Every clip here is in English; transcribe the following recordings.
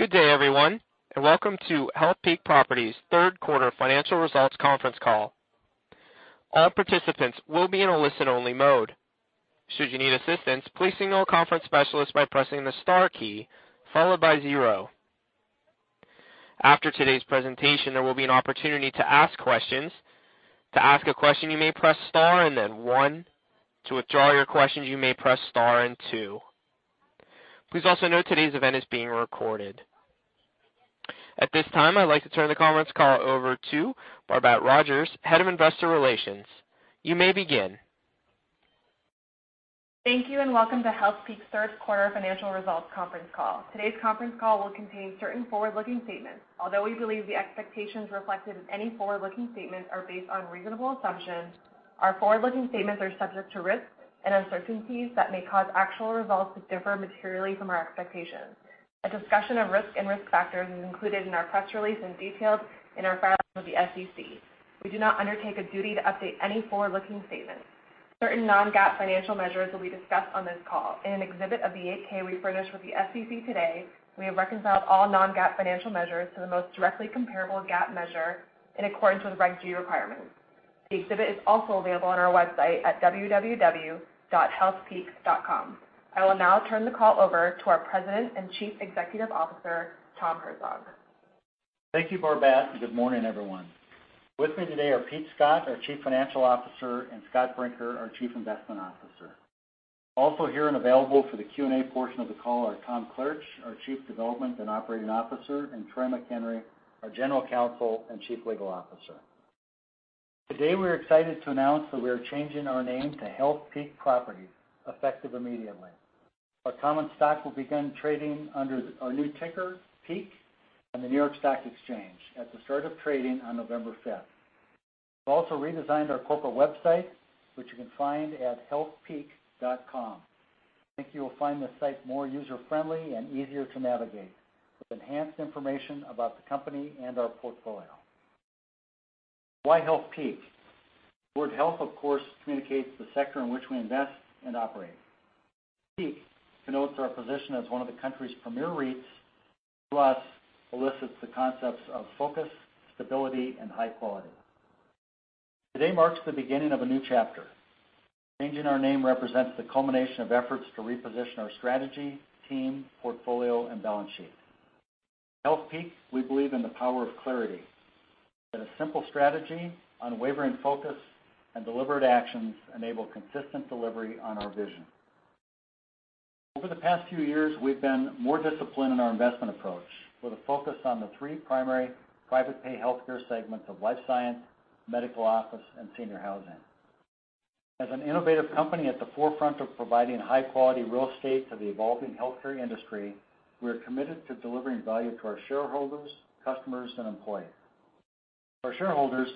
Good day, everyone, and welcome to Healthpeak Properties' third quarter financial results conference call. All participants will be in a listen-only mode. Should you need assistance, please signal a conference specialist by pressing the star key, followed by zero. After today's presentation, there will be an opportunity to ask questions. To ask a question, you may press star and then one. To withdraw your question, you may press star and two. Please also note today's event is being recorded. At this time, I'd like to turn the conference call over to Barbat Rodgers, Head of Investor Relations. You may begin. Thank you, welcome to Healthpeak's third quarter financial results conference call. Today's conference call will contain certain forward-looking statements. Although we believe the expectations reflected in any forward-looking statements are based on reasonable assumptions, our forward-looking statements are subject to risks and uncertainties that may cause actual results to differ materially from our expectations. A discussion of risk and risk factors is included in our press release and detailed in our filings with the SEC. We do not undertake a duty to update any forward-looking statements. Certain non-GAAP financial measures will be discussed on this call. In an exhibit of the 8-K we furnished with the SEC today, we have reconciled all non-GAAP financial measures to the most directly comparable GAAP measure in accordance with Reg G requirements. The exhibit is also available on our website at www.healthpeak.com. I will now turn the call over to our President and Chief Executive Officer, Tom Herzog. Thank you, Barbat, and good morning, everyone. With me today are Pete Scott, our Chief Financial Officer, and Scott Brinker, our Chief Investment Officer. Also here and available for the Q&A portion of the call are Tom Klaritch, our Chief Development and Operating Officer, and Troy McHenry, our General Counsel and Chief Legal Officer. Today, we're excited to announce that we are changing our name to Healthpeak Properties, effective immediately. Our common stock will begin trading under our new ticker, PEAK, on the New York Stock Exchange at the start of trading on November 5th. We've also redesigned our corporate website, which you can find at healthpeak.com. I think you will find the site more user-friendly and easier to navigate, with enhanced information about the company and our portfolio. Why Healthpeak? The word health, of course, communicates the sector in which we invest and operate. PEAK connotes our position as one of the country's premier REITs, to us, elicits the concepts of focus, stability, and high quality. Today marks the beginning of a new chapter. Changing our name represents the culmination of efforts to reposition our strategy, team, portfolio, and balance sheet. At Healthpeak, we believe in the power of clarity, that a simple strategy, unwavering focus, and deliberate actions enable consistent delivery on our vision. Over the past few years, we've been more disciplined in our investment approach, with a focus on the three primary private pay healthcare segments of life science, medical office, and senior housing. As an innovative company at the forefront of providing high-quality real estate to the evolving healthcare industry, we are committed to delivering value to our shareholders, customers, and employees. For our shareholders,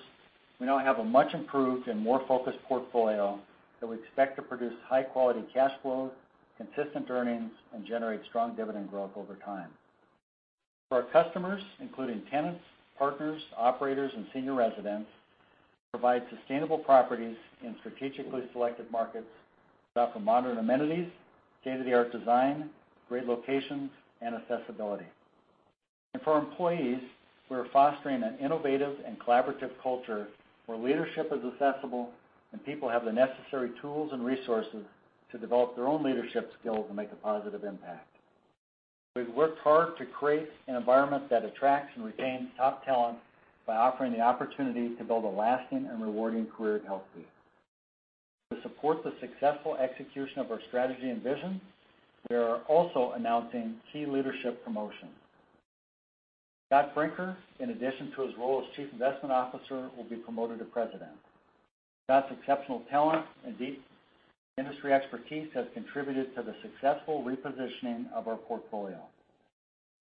we now have a much improved and more focused portfolio that we expect to produce high-quality cash flow, consistent earnings, and generate strong dividend growth over time. For our customers, including tenants, partners, operators, and senior residents, we provide sustainable properties in strategically selected markets that offer modern amenities, state-of-the-art design, great locations, and accessibility. For our employees, we are fostering an innovative and collaborative culture where leadership is accessible and people have the necessary tools and resources to develop their own leadership skills and make a positive impact. We've worked hard to create an environment that attracts and retains top talent by offering the opportunity to build a lasting and rewarding career at Healthpeak. To support the successful execution of our strategy and vision, we are also announcing key leadership promotions. Scott Brinker, in addition to his role as Chief Investment Officer, will be promoted to President. Scott's exceptional talent and deep industry expertise has contributed to the successful repositioning of our portfolio.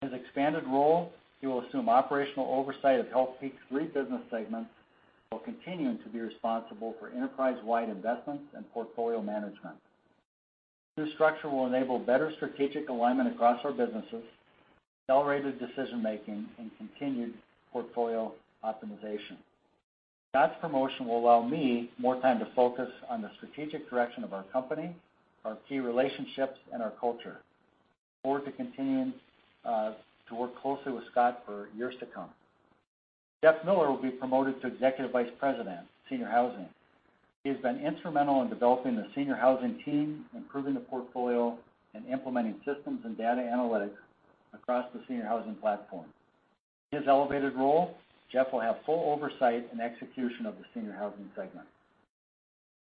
In his expanded role, he will assume operational oversight of Healthpeak's three business segments, while continuing to be responsible for enterprise-wide investments and portfolio management. This new structure will enable better strategic alignment across our businesses, accelerated decision-making, and continued portfolio optimization. Scott's promotion will allow me more time to focus on the strategic direction of our company, our key relationships, and our culture. I look forward to continuing to work closely with Scott for years to come. Jeff Miller will be promoted to Executive Vice President, Senior Housing. He has been instrumental in developing the senior housing team, improving the portfolio, and implementing systems and data analytics across the senior housing platform. In his elevated role, Jeff will have full oversight and execution of the senior housing segment.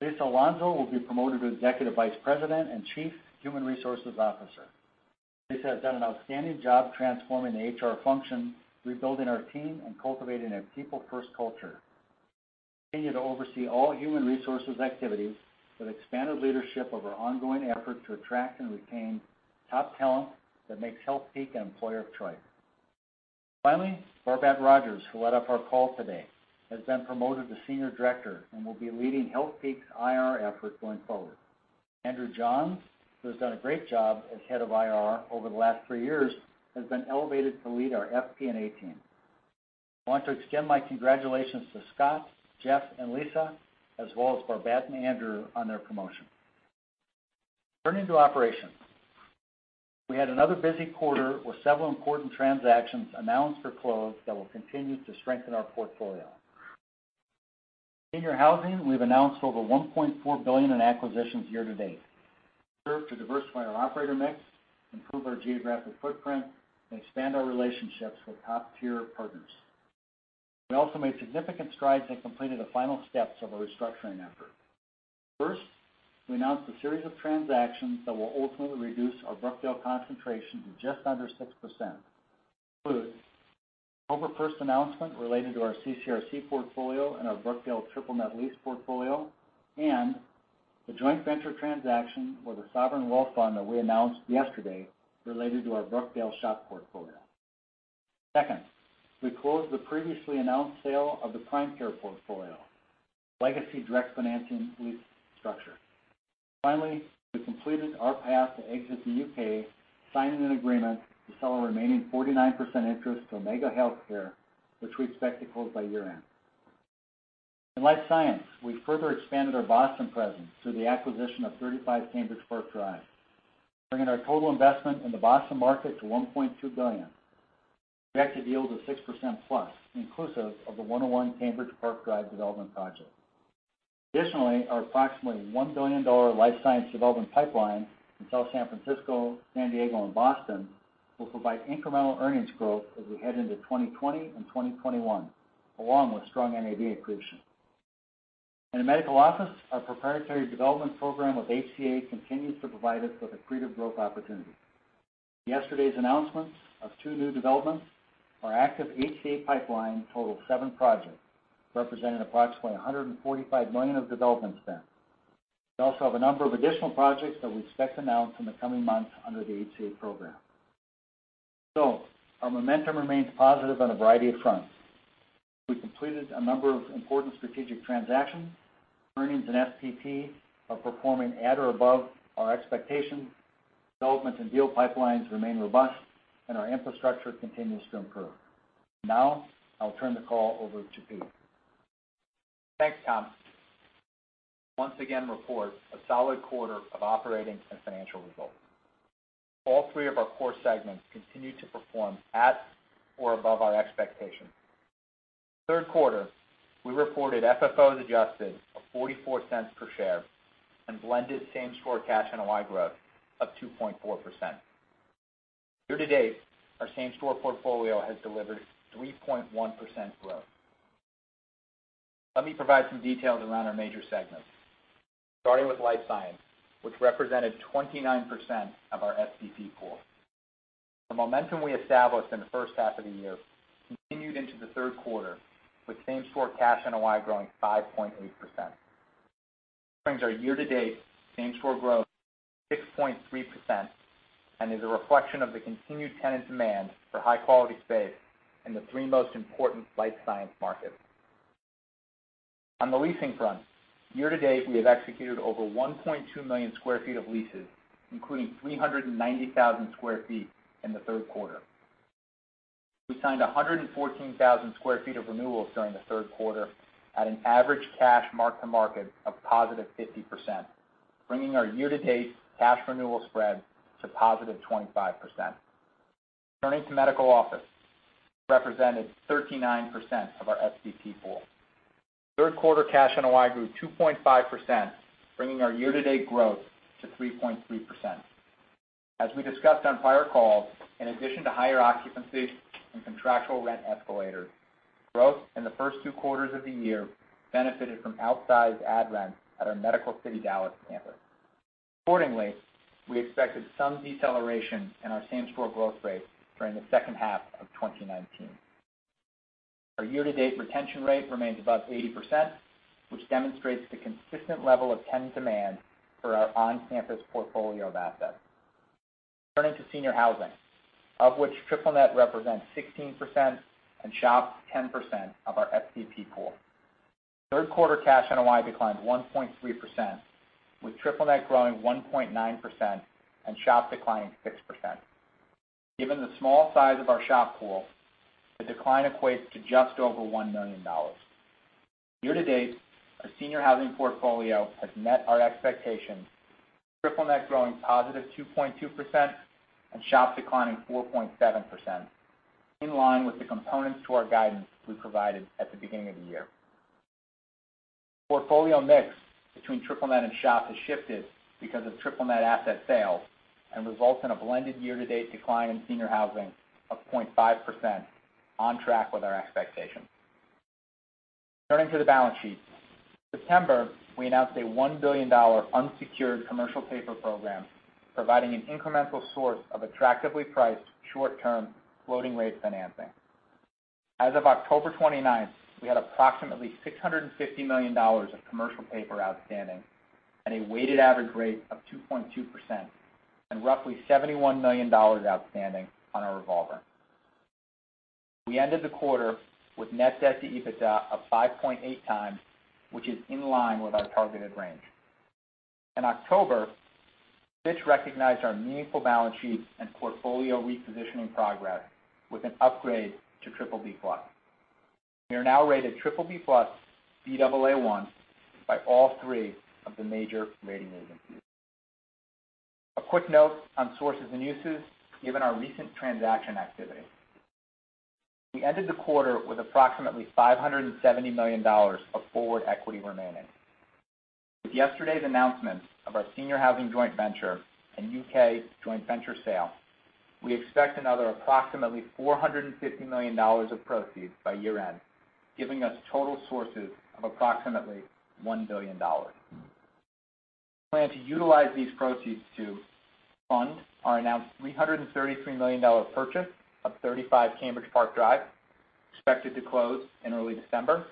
Lisa Alonso will be promoted to Executive Vice President and Chief Human Resources Officer. Lisa has done an outstanding job transforming the HR function, rebuilding our team, and cultivating a people-first culture. She will continue to oversee all human resources activities with expanded leadership of our ongoing effort to attract and retain top talent that makes Healthpeak an employer of choice. Finally, Barbat Rodgers, who led off our call today, has been promoted to Senior Director and will be leading Healthpeak's IR efforts going forward. Andrew Johns, who has done a great job as head of IR over the last three years, has been elevated to lead our FP&A team. I want to extend my congratulations to Scott, Jeff, and Lisa, as well as Barbat and Andrew on their promotion. Turning to operations. We had another busy quarter with several important transactions announced or closed that will continue to strengthen our portfolio. In senior housing, we've announced over $1.4 billion in acquisitions year-to-date. We worked to diversify our operator mix, improve our geographic footprint, and expand our relationships with top-tier partners. We also made significant strides in completing the final steps of our restructuring effort. First, we announced a series of transactions that will ultimately reduce our Brookdale concentration to just under 6%. This includes an October 1st announcement related to our CCRC portfolio and our Brookdale triple-net lease portfolio and the joint venture transaction with a sovereign wealth fund that we announced yesterday related to our Brookdale SHOP portfolio. Second, we closed the previously announced sale of the Prime Care portfolio, a legacy direct financing lease structure. Finally, we completed our path to exit the U.K., signing an agreement to sell our remaining 49% interest to Omega Healthcare, which we expect to close by year-end. In life science, we further expanded our Boston presence through the acquisition of 35 Cambridge Park Drive, bringing our total investment in the Boston market to $1.2 billion. We expect a yield of 6% plus, inclusive of the 101 Cambridge Park Drive development project. Our approximately $1 billion life science development pipeline in South San Francisco, San Diego, and Boston will provide incremental earnings growth as we head into 2020 and 2021, along with strong NAV accretion. In the medical office, our proprietary development program with HCA continues to provide us with accretive growth opportunities. With yesterday's announcements of two new developments, our active HCA pipeline totals seven projects, representing approximately $145 million of development spend. We also have a number of additional projects that we expect to announce in the coming months under the HCA program. Our momentum remains positive on a variety of fronts. We completed a number of important strategic transactions. Earnings and FFP are performing at or above our expectations. Development and deal pipelines remain robust, and our infrastructure continues to improve. Now I'll turn the call over to Pete. Thanks, Tom. We once again report a solid quarter of operating and financial results. All three of our core segments continued to perform at or above our expectations. In the third quarter, we reported FFO as adjusted of $0.44 per share and blended same-store cash NOI growth of 2.4%. Year-to-date, our same-store portfolio has delivered 3.1% growth. Let me provide some details around our major segments. Starting with life science, which represented 29% of our FFP pool. The momentum we established in the first half of the year continued into the third quarter, with same-store cash NOI growing 5.8%. This brings our year-to-date same-store growth to 6.3% and is a reflection of the continued tenant demand for high-quality space in the three most important life science markets. On the leasing front, year-to-date, we have executed over 1,200,000 sq ft of leases, including 390,000 sq ft in the third quarter. We signed 114,000 sq ft of renewals during the third quarter at an average cash mark-to-market of +50%, bringing our year-to-date cash renewal spread to positive 25%. Turning to medical office, which represented 39% of our FFP pool. Third quarter cash NOI grew 2.5%, bringing our year-to-date growth to 3.3%. As we discussed on prior calls, in addition to higher occupancy and contractual rent escalators, growth in the first two quarters of the year benefited from outsized ad rent at our Medical City Dallas campus. Accordingly, we expected some deceleration in our same-store growth rate during the second half of 2019. Our year-to-date retention rate remains above 80%, which demonstrates the consistent level of tenant demand for our on-campus portfolio of assets. Turning to senior housing, of which triple-net represents 16% and SHOP 10% of our FFP pool. Third quarter cash NOI declined 1.3%, with triple-net growing 1.9% and SHOP declining 6%. Given the small size of our SHOP pool, the decline equates to just over $1 million. year-to-date, our senior housing portfolio has met our expectations, with triple-net growing positive 2.2% and SHOP declining 4.7%, in line with the components to our guidance we provided at the beginning of the year. The portfolio mix between triple-net and SHOP has shifted because of triple-net asset sales and results in a blended year-to-date decline in senior housing of 0.5%, on track with our expectations. Turning to the balance sheet. In September, we announced a $1 billion unsecured commercial paper program, providing an incremental source of attractively priced short-term floating rate financing. As of October 29th, we had approximately $650 million of commercial paper outstanding at a weighted average rate of 2.2% and roughly $71 million outstanding on our revolver. We ended the quarter with net debt to EBITDA of 5.8x, which is in line with our targeted range. In October, Fitch recognized our meaningful balance sheet and portfolio repositioning progress with an upgrade to BBB+. We are now rated BBB+, Baa1 by all three of the major rating agencies. A quick note on sources and uses, given our recent transaction activity. We ended the quarter with approximately $570 million of forward equity remaining. With yesterday's announcement of our senior housing joint venture and U.K. joint venture sale, we expect another approximately $450 million of proceeds by year-end, giving us total sources of approximately $1 billion. We plan to utilize these proceeds to fund our announced $333 million purchase of 35 Cambridge Park Drive, expected to close in early December.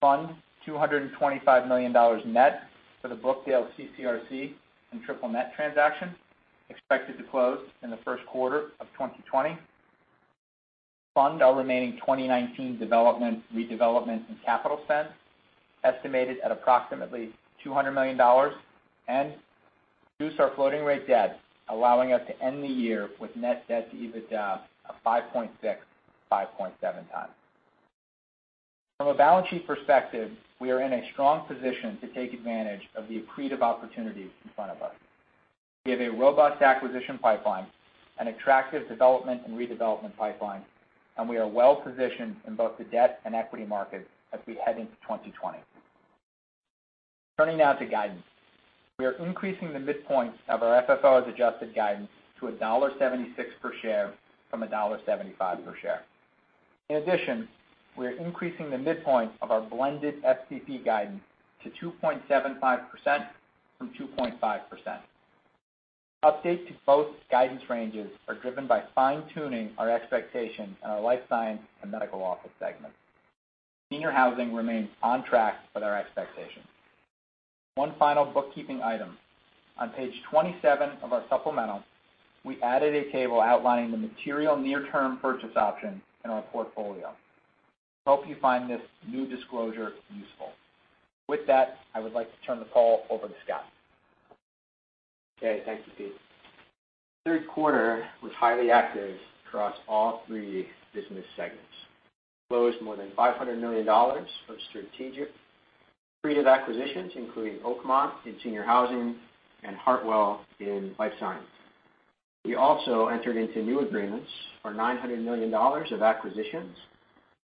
Fund $225 million net for the Brookdale CCRC and triple-net transaction, expected to close in the first quarter of 2020. Fund our remaining 2019 development, redevelopment, and capital spend, estimated at approximately $200 million, and reduce our floating rate debt, allowing us to end the year with net debt to EBITDA of 5.6x-5.7x. From a balance sheet perspective, we are in a strong position to take advantage of the accretive opportunities in front of us. We have a robust acquisition pipeline, an attractive development and redevelopment pipeline, and we are well-positioned in both the debt and equity market as we head into 2020. Turning now to guidance. We are increasing the midpoint of our FFO as adjusted guidance to $1.76 per share from $1.75 per share. In addition, we are increasing the midpoint of our blended FCP guidance to 2.75% from 2.5%. Our update to both guidance ranges are driven by fine-tuning our expectations in our life science and medical office segments. Senior housing remains on track with our expectations. One final bookkeeping item. On page 27 of our supplemental, we added a table outlining the material near-term purchase options in our portfolio. We hope you find this new disclosure useful. With that, I would like to turn the call over to Scott. Okay. Thank you, Pete. Third quarter was highly active across all three business segments. We closed more than $500 million of strategic accretive acquisitions, including Oakmont in senior housing and Hartwell in life science. We also entered into new agreements for $900 million of acquisitions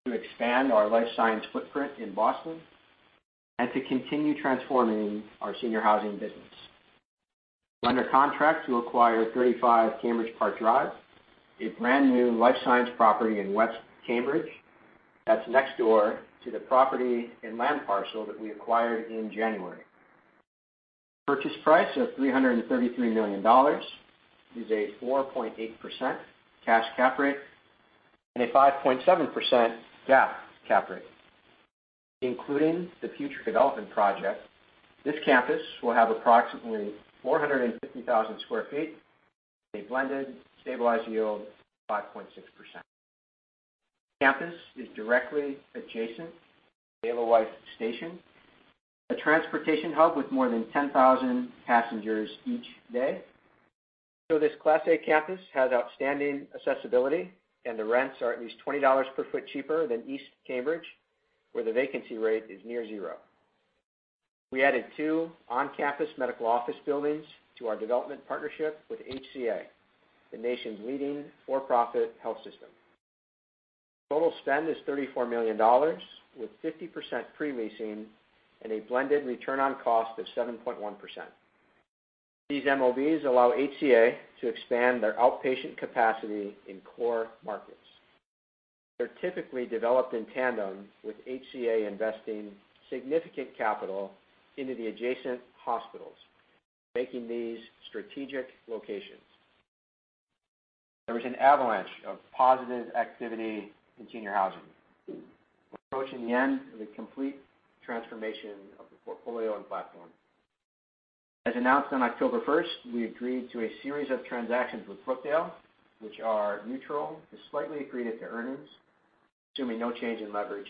to expand our life science footprint in Boston and to continue transforming our senior housing business. We're under contract to acquire 35 Cambridge Park Drive, a brand-new life science property in West Cambridge that's next door to the property and land parcel that we acquired in January. The purchase price of $333 million is a 4.8% cash cap rate and a 5.7% GAAP cap rate. Including the future development project, this campus will have approximately 450,000 sq ft, a blended stabilized yield of 5.6%. The campus is directly adjacent to Alewife Station, a transportation hub with more than 10,000 passengers each day. This Class A campus has outstanding accessibility, and the rents are at least $20 per foot cheaper than East Cambridge, where the vacancy rate is near zero. We added two on-campus MOBs to our development partnership with HCA, the nation's leading for-profit health system. Total spend is $34 million, with 50% pre-leasing and a blended return on cost of 7.1%. These MOBs allow HCA to expand their outpatient capacity in core markets. They're typically developed in tandem with HCA investing significant capital into the adjacent hospitals, making these strategic locations. There was an avalanche of positive activity in senior housing. We're approaching the end of the complete transformation of the portfolio and platform. As announced on October 1st, we agreed to a series of transactions with Brookdale, which are neutral to slightly accretive to earnings, assuming no change in leverage.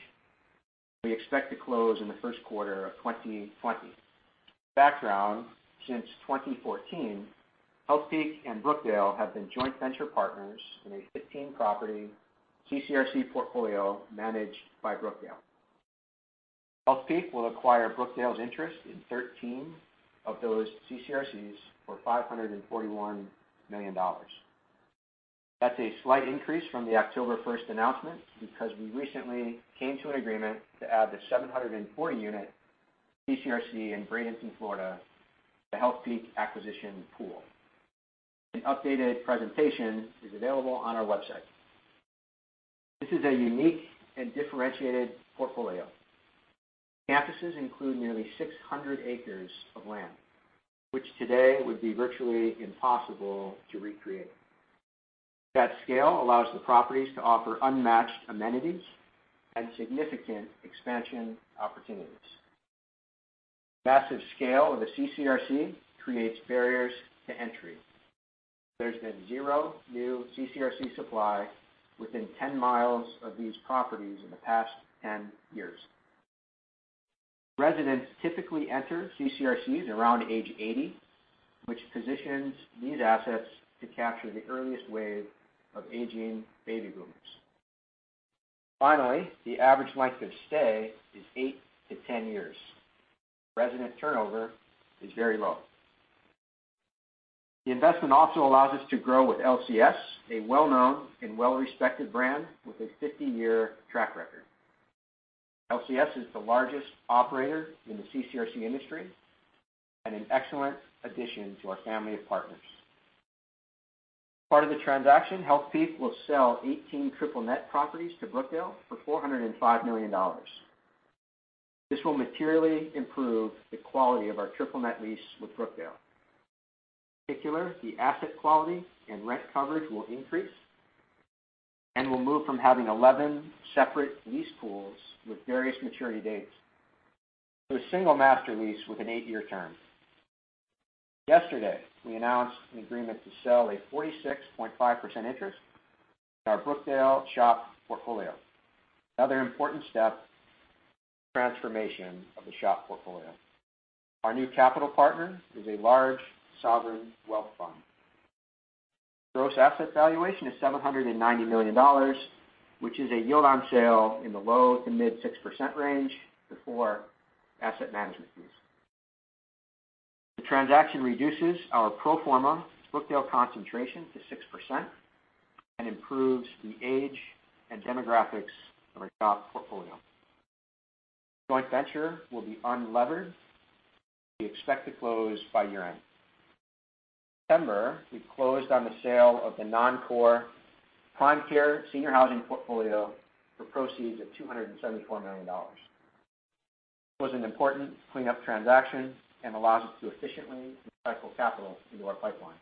We expect to close in the first quarter of 2020. Background, since 2014, Healthpeak and Brookdale have been joint venture partners in a 15-property CCRC portfolio managed by Brookdale. Healthpeak will acquire Brookdale's interest in 13 of those CCRCs for $541 million. That's a slight increase from the October 1st announcement because we recently came to an agreement to add the 740-unit CCRC in Bradenton, Florida, to Healthpeak acquisition pool. An updated presentation is available on our website. This is a unique and differentiated portfolio. The campuses include nearly 600 acres of land, which today would be virtually impossible to recreate. That scale allows the properties to offer unmatched amenities and significant expansion opportunities. The massive scale of a CCRC creates barriers to entry. There has been zero new CCRC supply within 10 mi of these properties in the past 10 years. Residents typically enter CCRCs around age 80, which positions these assets to capture the earliest wave of aging baby boomers. Finally, the average length of stay is eight to 10 years. Resident turnover is very low. The investment also allows us to grow with LCS, a well-known and well-respected brand with a 50-year track record. LCS is the largest operator in the CCRC industry and an excellent addition to our family of partners. As part of the transaction, Healthpeak will sell 18 triple-net properties to Brookdale for $405 million. This will materially improve the quality of our triple-net lease with Brookdale. In particular, the asset quality and rent coverage will increase, and we'll move from having 11 separate lease pools with various maturity dates to a single master lease with an eight-year term. We announced an agreement to sell a 46.5% interest in our Brookdale SHOP portfolio. Another important step in the transformation of the SHOP portfolio. Our new capital partner is a large sovereign wealth fund. Gross asset valuation is $790 million, which is a yield on sale in the low to mid-6% range before asset management fees. The transaction reduces our pro forma Brookdale concentration to 6% and improves the age and demographics of our SHOP portfolio. Joint venture will be unlevered. We expect to close by year-end. In September, we closed on the sale of the non-core Prime Care senior housing portfolio for proceeds of $274 million. It was an important cleanup transaction and allows us to efficiently recycle capital into our pipeline.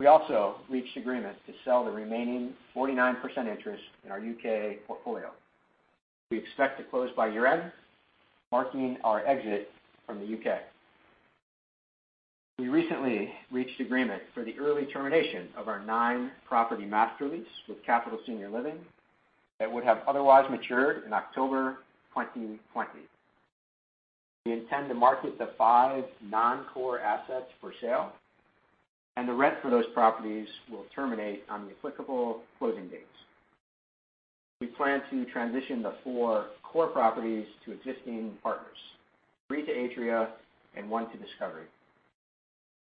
We also reached agreement to sell the remaining 49% interest in our U.K. portfolio. We expect to close by year-end, marking our exit from the U.K. We recently reached agreement for the early termination of our nine property master lease with Capital Senior Living that would have otherwise matured in October 2020. We intend to market the five non-core assets for sale, and the rent for those properties will terminate on the applicable closing dates. We plan to transition the four core properties to existing partners, three to Atria and one to Discovery.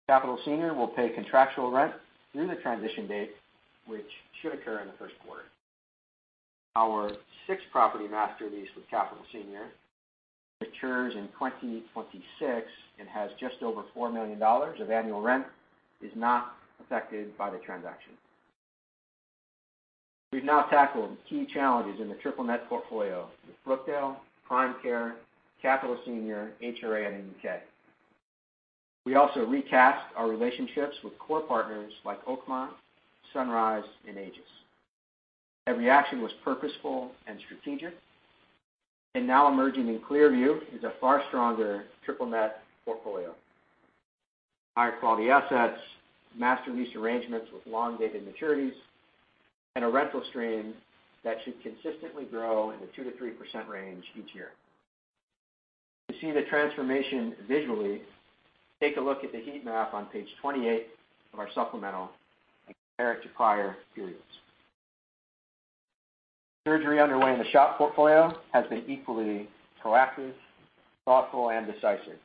Capital Senior will pay contractual rent through the transition date, which should occur in the first quarter. Our six property master lease with Capital Senior matures in 2026 and has just over $4 million of annual rent, is not affected by the transaction. We've now tackled key challenges in the triple-net portfolio with Brookdale, Prime Care, Capital Senior, HRA, and the U.K. We also recast our relationships with core partners like Oakmont, Sunrise, and Aegis. Every action was purposeful and strategic, and now emerging in clear view is a far stronger triple-net portfolio. Higher quality assets, master lease arrangements with long-dated maturities, and a rental stream that should consistently grow in the 2%-3% range each year. To see the transformation visually, take a look at the heat map on page 28 of our supplemental and compare it to prior periods. Surgery underway in the SHOP portfolio has been equally proactive, thoughtful, and decisive.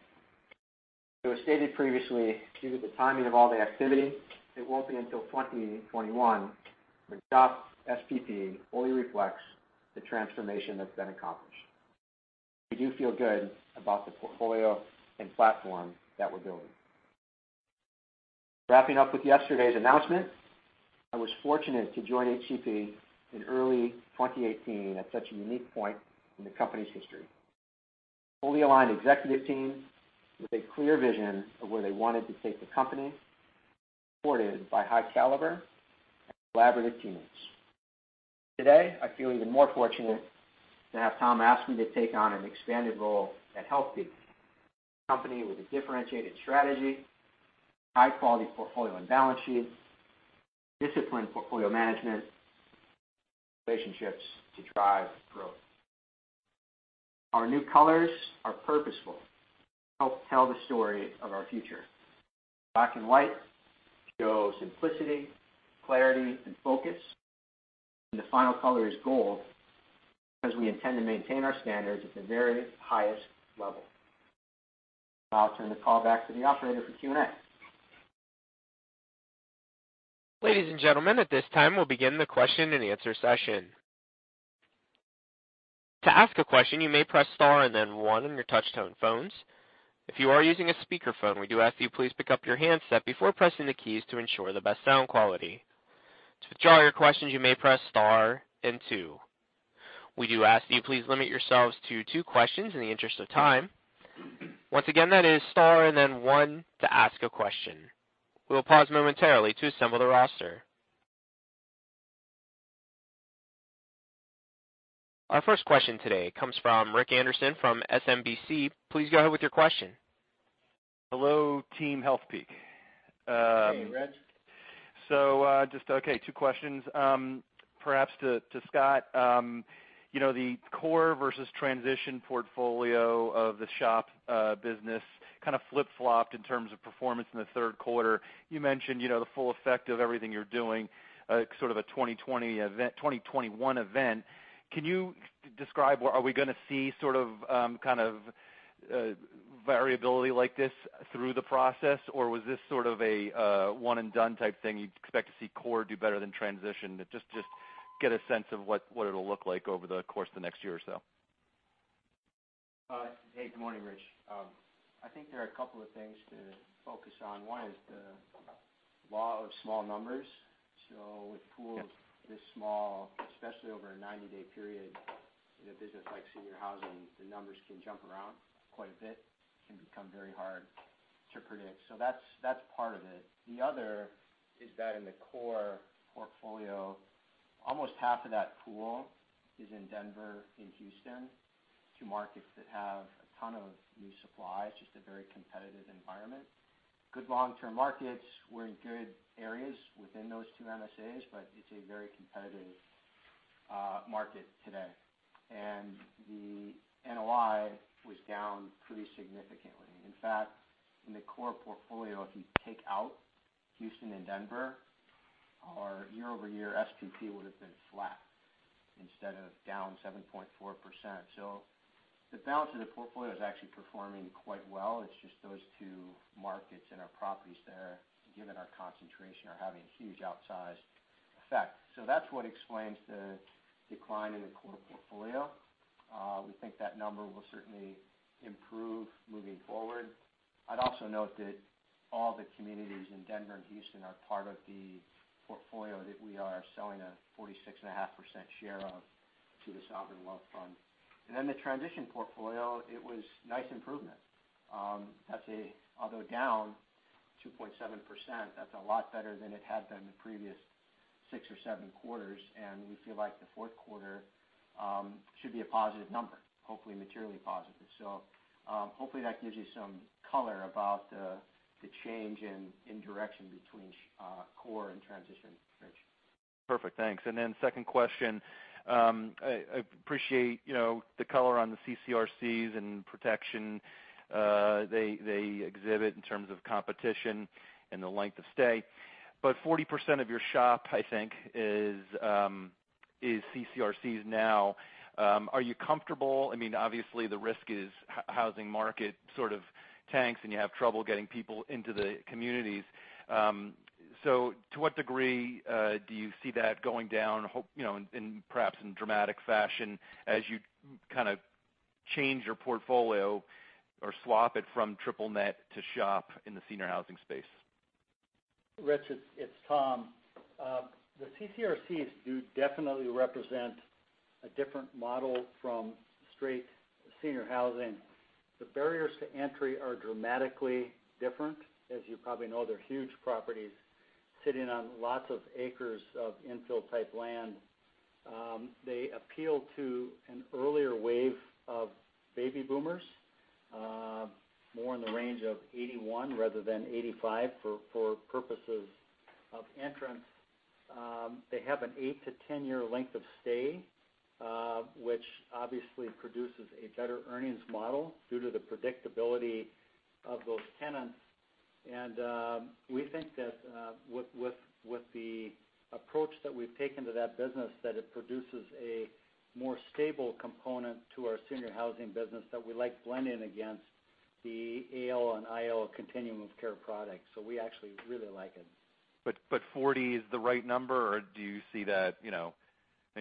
It was stated previously, due to the timing of all the activity, it won't be until 2021 when SHOP's SPP fully reflects the transformation that's been accomplished. We do feel good about the portfolio and platform that we're building. Wrapping up with yesterday's announcement, I was fortunate to join HCP in early 2018 at such a unique point in the company's history. A fully aligned executive team with a clear vision of where they wanted to take the company, supported by high caliber and collaborative teams. Today, I feel even more fortunate to have Tom ask me to take on an expanded role at Healthpeak, a company with a differentiated strategy, high quality portfolio and balance sheet, disciplined portfolio management, and relationships to drive growth. Our new colors are purposeful to help tell the story of our future. Black and white show simplicity, clarity, and focus, and the final color is gold because we intend to maintain our standards at the very highest level. I'll turn the call back to the operator for Q&A. Ladies and gentlemen, at this time, we'll begin the question and answer session. To ask a question, you may press star and then one on your touch-tone phones. If you are using a speakerphone, we do ask that you please pick up your handset before pressing the keys to ensure the best sound quality. To withdraw your questions, you may press star and two. We do ask that you please limit yourselves to two questions in the interest of time. Once again, that is star and then 1 to ask a question. We will pause momentarily to assemble the roster. Our first question today comes from Rich Anderson from SMBC. Please go ahead with your question Hello, team Healthpeak. Hey, Rich. Just, okay, two questions, perhaps to Scott. The core versus transition portfolio of the SHOP business kind of flip-flopped in terms of performance in the third quarter. You mentioned the full effect of everything you're doing, sort of a 2021 event. Can you describe, are we going to see sort of variability like this through the process, or was this sort of a one and done type thing? You'd expect to see core do better than transition, just get a sense of what it'll look like over the course of the next year or so. Good morning, Rich. I think there are a couple of things to focus on. One is the law of small numbers. With pools this small, especially over a 90-day period in a business like senior housing, the numbers can jump around quite a bit, can become very hard to predict. That's part of it. The other is that in the core portfolio, almost half of that pool is in Denver and Houston, two markets that have a ton of new supply. It's just a very competitive environment. Good long-term markets. We're in good areas within those two MSAs, but it's a very competitive market today. The NOI was down pretty significantly. In fact, in the core portfolio, if you take out Houston and Denver, our year-over-year SPP would've been flat instead of down 7.4%. The balance of the portfolio is actually performing quite well. It's just those two markets and our properties there, given our concentration, are having a huge outsized effect. That's what explains the decline in the core portfolio. We think that number will certainly improve moving forward. I'd also note that all the communities in Denver and Houston are part of the portfolio that we are selling a 46.5% share of to the sovereign wealth fund. The transition portfolio, it was nice improvement. Although down 2.7%, that's a lot better than it had been the previous six or seven quarters, and we feel like the fourth quarter should be a positive number, hopefully materially positive. Hopefully, that gives you some color about the change in direction between core and transition, Rich. Perfect. Thanks. Second question. I appreciate the color on the CCRCs and protection they exhibit in terms of competition and the length of stay. 40% of your SHOP, I think, is CCRCs now. Are you comfortable? Obviously, the risk is housing market sort of tanks, and you have trouble getting people into the communities. To what degree do you see that going down in perhaps in dramatic fashion as you kind of change your portfolio or swap it from triple-net to SHOP in the senior housing space? Rich, it's Tom. The CCRCs do definitely represent a different model from straight senior housing. The barriers to entry are dramatically different. As you probably know, they're huge properties sitting on lots of acres of infill type land. They appeal to an earlier wave of baby boomers, more in the range of 81 rather than 85 for purposes of entrance. They have an eight to 10-year length of stay, which obviously produces a better earnings model due to the predictability of those tenants. We think that with the approach that we've taken to that business, that it produces a more stable component to our senior housing business that we like blending against the AL and IL continuum of care products. We actually really like it. 40 is the right number, or do you see that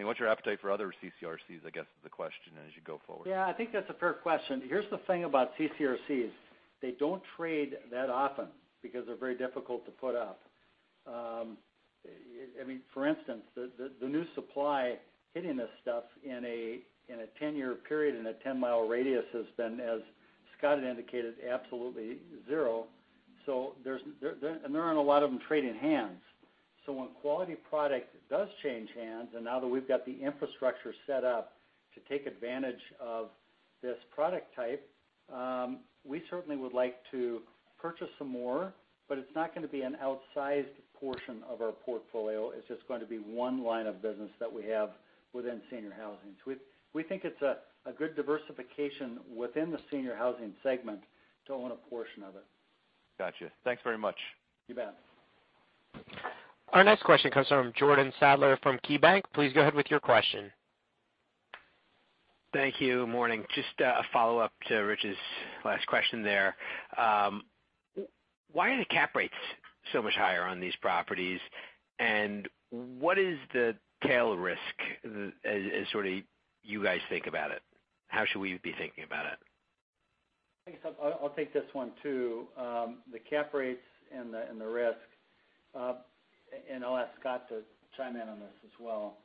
What's your appetite for other CCRCs, I guess, is the question, as you go forward? I think that's a fair question. Here's the thing about CCRCs. They don't trade that often because they're very difficult to put up. For instance, the new supply hitting this stuff in a 10-year period in a 10 mi radius has been, as Scott had indicated, absolutely zero. There aren't a lot of them trading hands. When quality product does change hands, and now that we've got the infrastructure set up to take advantage of this product type, we certainly would like to purchase some more, but it's not going to be an outsized portion of our portfolio. It's just going to be one line of business that we have within senior housing. We think it's a good diversification within the senior housing segment to own a portion of it. Got you. Thanks very much. You bet. Our next question comes from Jordan Sadler from KeyBanc. Please go ahead with your question. Thank you. Morning. Just a follow-up to Rich's last question there. Why are the cap rates so much higher on these properties, and what is the tail risk as sort of you guys think about it? How should we be thinking about it? I guess I'll take this one, too. The cap rates and the risk. I'll ask Scott to chime in on this as well.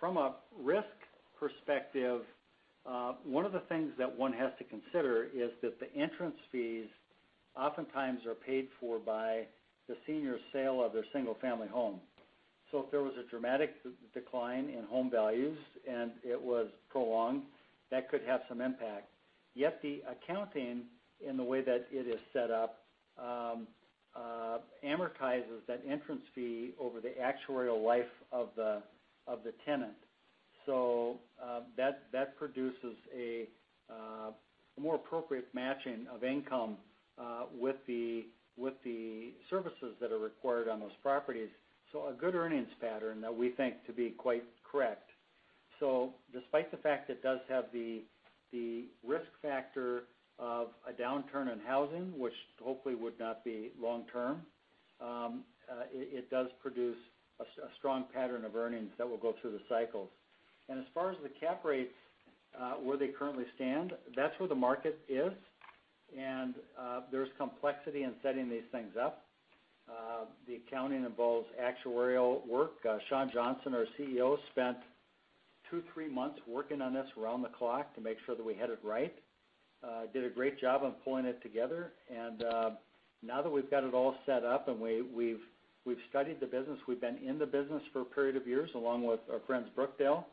From a risk perspective, one of the things that one has to consider is that the entrance fees oftentimes are paid for by the senior's sale of their single-family home. If there was a dramatic decline in home values and it was prolonged, that could have some impact. Yet the accounting, in the way that it is set up, amortizes that entrance fee over the actuarial life of the tenant. That produces a more appropriate matching of income with the services that are required on those properties. A good earnings pattern that we think to be quite correct. Despite the fact it does have the risk factor of a downturn in housing, which hopefully would not be long term, it does produce a strong pattern of earnings that will go through the cycles. As far as the cap rates, where they currently stand, that's where the market is, and there's complexity in setting these things up. The accounting involves actuarial work. Sean Johnson, our CEO, spent two, three months working on this around the clock to make sure that we had it right, did a great job of pulling it together. Now that we've got it all set up and we've studied the business, we've been in the business for a period of years along with our friends Brookdale,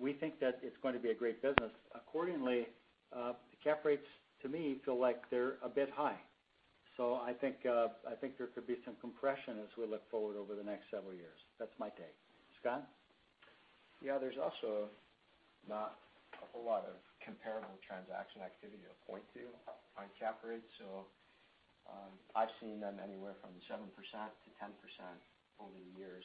we think that it's going to be a great business. Accordingly, the cap rates to me feel like they're a bit high. I think there could be some compression as we look forward over the next several years. That's my take. Scott? Yeah. There's also not a whole lot of comparable transaction activity to point to on cap rates. I've seen them anywhere from 7%-10% over the years.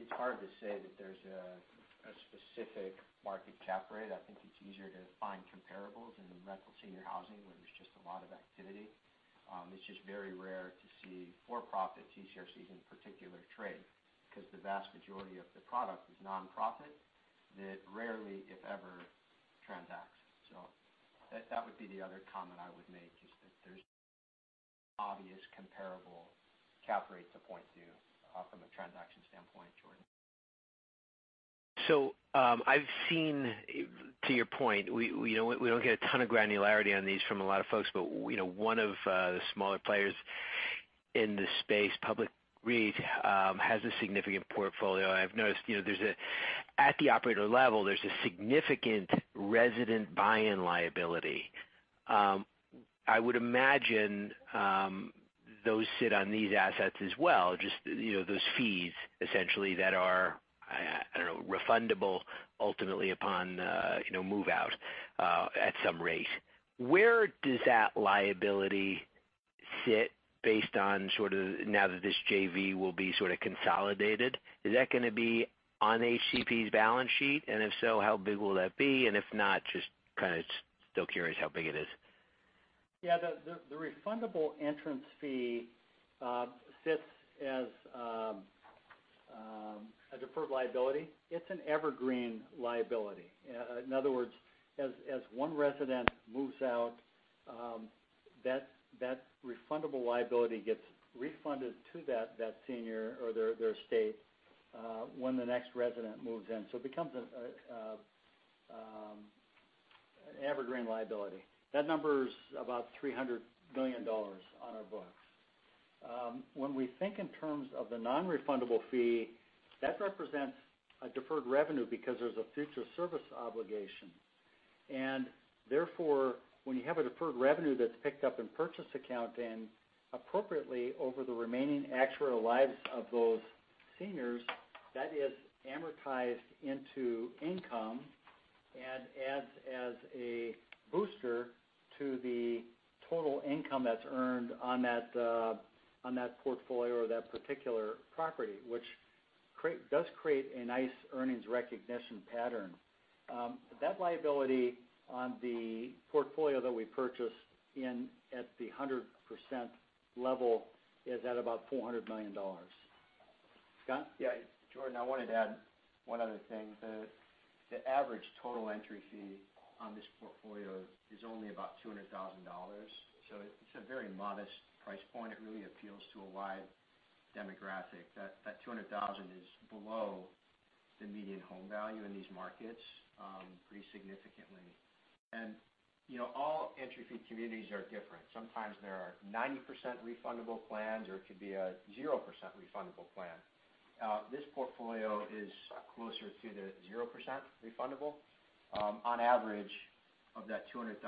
It's hard to say that there's a specific market cap rate. I think it's easier to find comparables in the rental senior housing, where there's just a lot of activity. It's just very rare to see for-profit CCRCs in particular trade, because the vast majority of the product is non-profit that rarely, if ever, transacts. That would be the other comment I would make, is that there's obvious comparable cap rates to point to from a transaction standpoint, Jordan. I've seen, to your point, we don't get a ton of granularity on these from a lot of folks, but one of the smaller players in this space, Public REIT, has a significant portfolio. I've noticed at the operator level, there's a significant resident buy-in liability. I would imagine those sit on these assets as well, just those fees essentially that are refundable ultimately upon move-out at some rate. Where does that liability sit based on now that this JV will be sort of consolidated? Is that going to be on HCP's balance sheet, and if so, how big will that be? If not, just kind of still curious how big it is. The refundable entrance fee sits as a deferred liability. It's an evergreen liability. In other words, as one resident moves out, that refundable liability gets refunded to that senior or their estate when the next resident moves in. It becomes an evergreen liability. That number is about $300 million on our books. When we think in terms of the non-refundable fee, that represents a deferred revenue because there's a future service obligation. Therefore, when you have a deferred revenue that's picked up in purchase accounting, appropriately over the remaining actuarial lives of those seniors, that is amortized into income and adds as a booster to the total income that's earned on that portfolio or that particular property, which does create a nice earnings recognition pattern. That liability on the portfolio that we purchased in at the 100% level is at about $400 million. Scott? Yeah. Jordan, I wanted to add one other thing. The average total entry fee on this portfolio is only about $200,000. It's a very modest price point. It really appeals to a wide demographic. That $200,000 is below the median home value in these markets, pretty significantly. All entry fee communities are different. Sometimes there are 90% refundable plans, or it could be a 0% refundable plan. This portfolio is closer to the 0% refundable. On average of that $200,000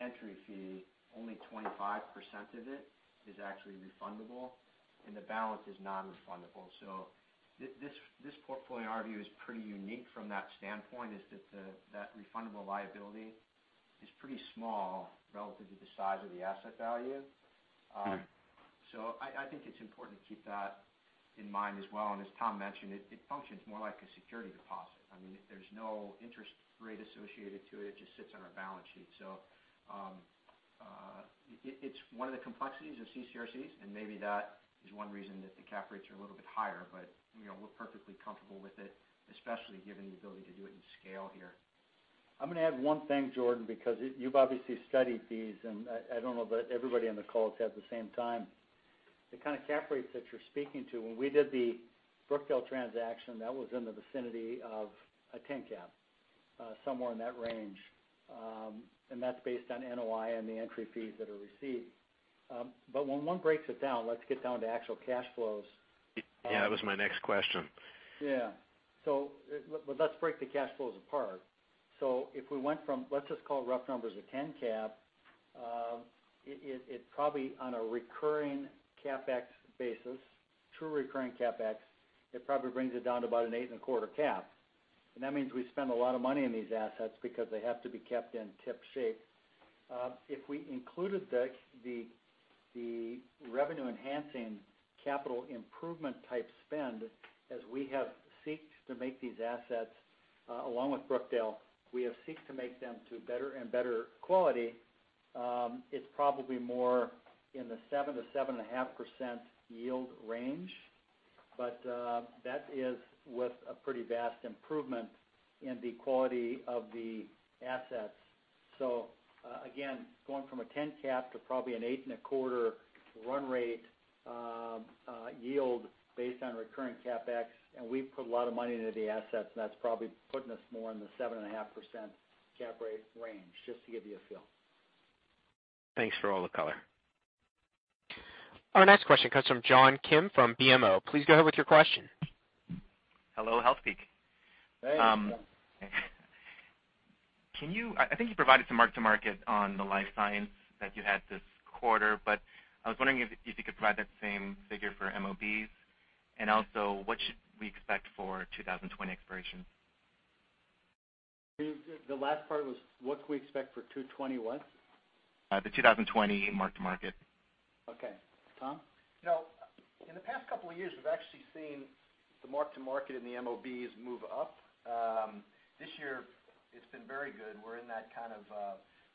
entry fee, only 25% of it is actually refundable, and the balance is non-refundable. This portfolio, in our view, is pretty unique from that standpoint, is that refundable liability is pretty small relative to the size of the asset value. I think it's important to keep that in mind as well. As Tom mentioned, it functions more like a security deposit. There's no interest rate associated to it. It just sits on our balance sheet. It's one of the complexities of CCRCs, and maybe that is one reason that the cap rates are a little bit higher, but we're perfectly comfortable with it, especially given the ability to do it in scale here. I'm going to add one thing, Jordan, because you've obviously studied these, and I don't know that everybody on the call has had the same time. The kind of cap rates that you're speaking to, when we did the Brookdale transaction, that was in the vicinity of a 10 cap somewhere in that range. That's based on NOI and the entry fees that are received. When one breaks it down, let's get down to actual cash flows. Yeah, that was my next question. Let's break the cash flows apart. If we went from, let's just call it rough numbers of 10 cap, it probably on a recurring CapEx basis, true recurring CapEx, it probably brings it down to about an 8.25 cap. That means we spend a lot of money on these assets because they have to be kept in tip shape. If we included the revenue-enhancing capital improvement type spend as we have sought to make these assets, along with Brookdale. We have sought to make them to better and better quality, it's probably more in the 7%-7.5% yield range. That is with a pretty vast improvement in the quality of the assets. Again, going from a 10 cap to probably an 8.25 run rate yield based on recurring CapEx, and we've put a lot of money into the assets, and that's probably putting us more in the 7.5% cap rate range, just to give you a feel. Thanks for all the color. Our next question comes from John Kim from BMO. Please go ahead with your question. Hello, Healthpeak. Hey. I think you provided some mark-to-market on the life science that you had this quarter, but I was wondering if you could provide that same figure for MOBs, and also what should we expect for 2020 expiration? The last part was what could we expect for 2020 what? The 2020 mark-to-market. Okay. Tom? In the past couple of years, we've actually seen the mark-to-market and the MOBs move up. This year it's been very good. We're in that kind of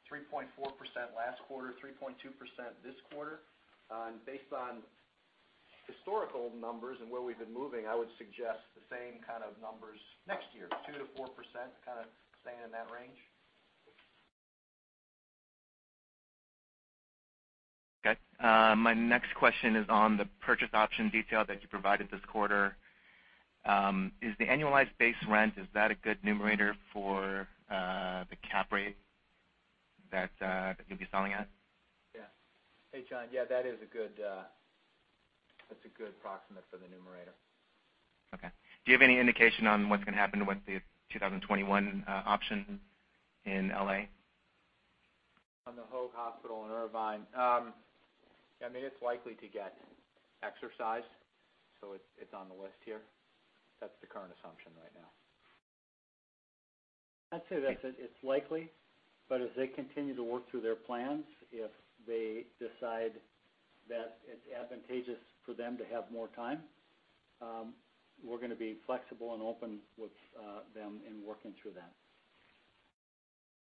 3.4% last quarter, 3.2% this quarter. Based on historical numbers and where we've been moving, I would suggest the same kind of numbers next year, 2%-4%, kind of staying in that range. Okay. My next question is on the purchase option detail that you provided this quarter. Is the annualized base rent, is that a good numerator for the cap rate that you'll be selling at? Yeah. Hey, John. Yeah, that's a good approximate for the numerator. Okay. Do you have any indication on what's going to happen with the 2021 option in L.A.? On the Hoag Hospital in Irvine. It's likely to get exercised, so it's on the list here. That's the current assumption right now. I'd say that it's likely. As they continue to work through their plans, if they decide that it's advantageous for them to have more time, we're going to be flexible and open with them in working through that.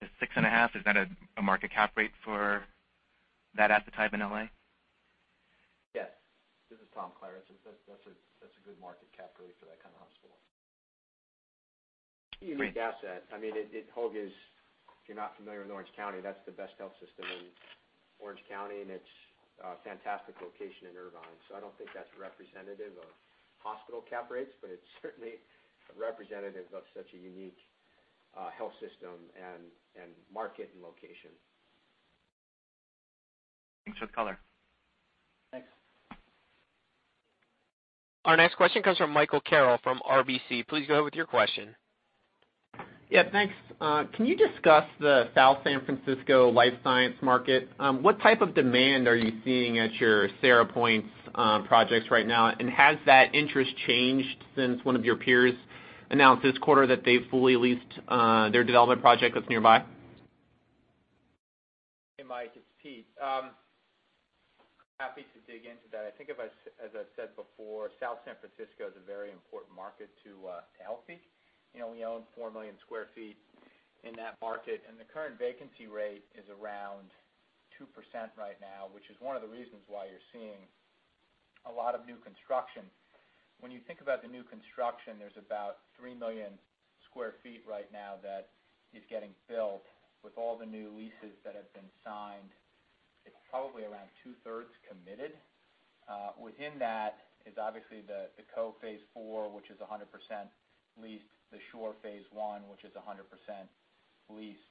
The six and a half, is that a market cap rate for that asset type in L.A.? Yes. This is Tom Klaritch. That's a good market cap rate for that kind of hospital. Unique asset. Hoag is, if you're not familiar with Orange County, that's the best health system in Orange County, and it's a fantastic location in Irvine. I don't think that's representative of hospital cap rates, but it's certainly representative of such a unique health system, and market, and location. Thanks for the color. Thanks. Our next question comes from Michael Carroll from RBC. Please go ahead with your question. Yeah, thanks. Can you discuss the South San Francisco life science market? What type of demand are you seeing at your Sierra Point projects right now, and has that interest changed since one of your peers announced this quarter that they've fully leased their development project that's nearby? Hey, Mike, it's Pete. Happy to dig into that. I think as I've said before, South San Francisco is a very important market to Healthpeak. We own 4,000,000 sq ft in that market, and the current vacancy rate is around 2% right now, which is one of the reasons why you're seeing a lot of new construction. When you think about the new construction, there's about 3,000,000 sq ft right now that is getting built. With all the new leases that have been signed, it's probably around two-thirds committed. Within that is obviously The Cove phase IV, which is 100% leased, The Shore phase I, which is 100% leased.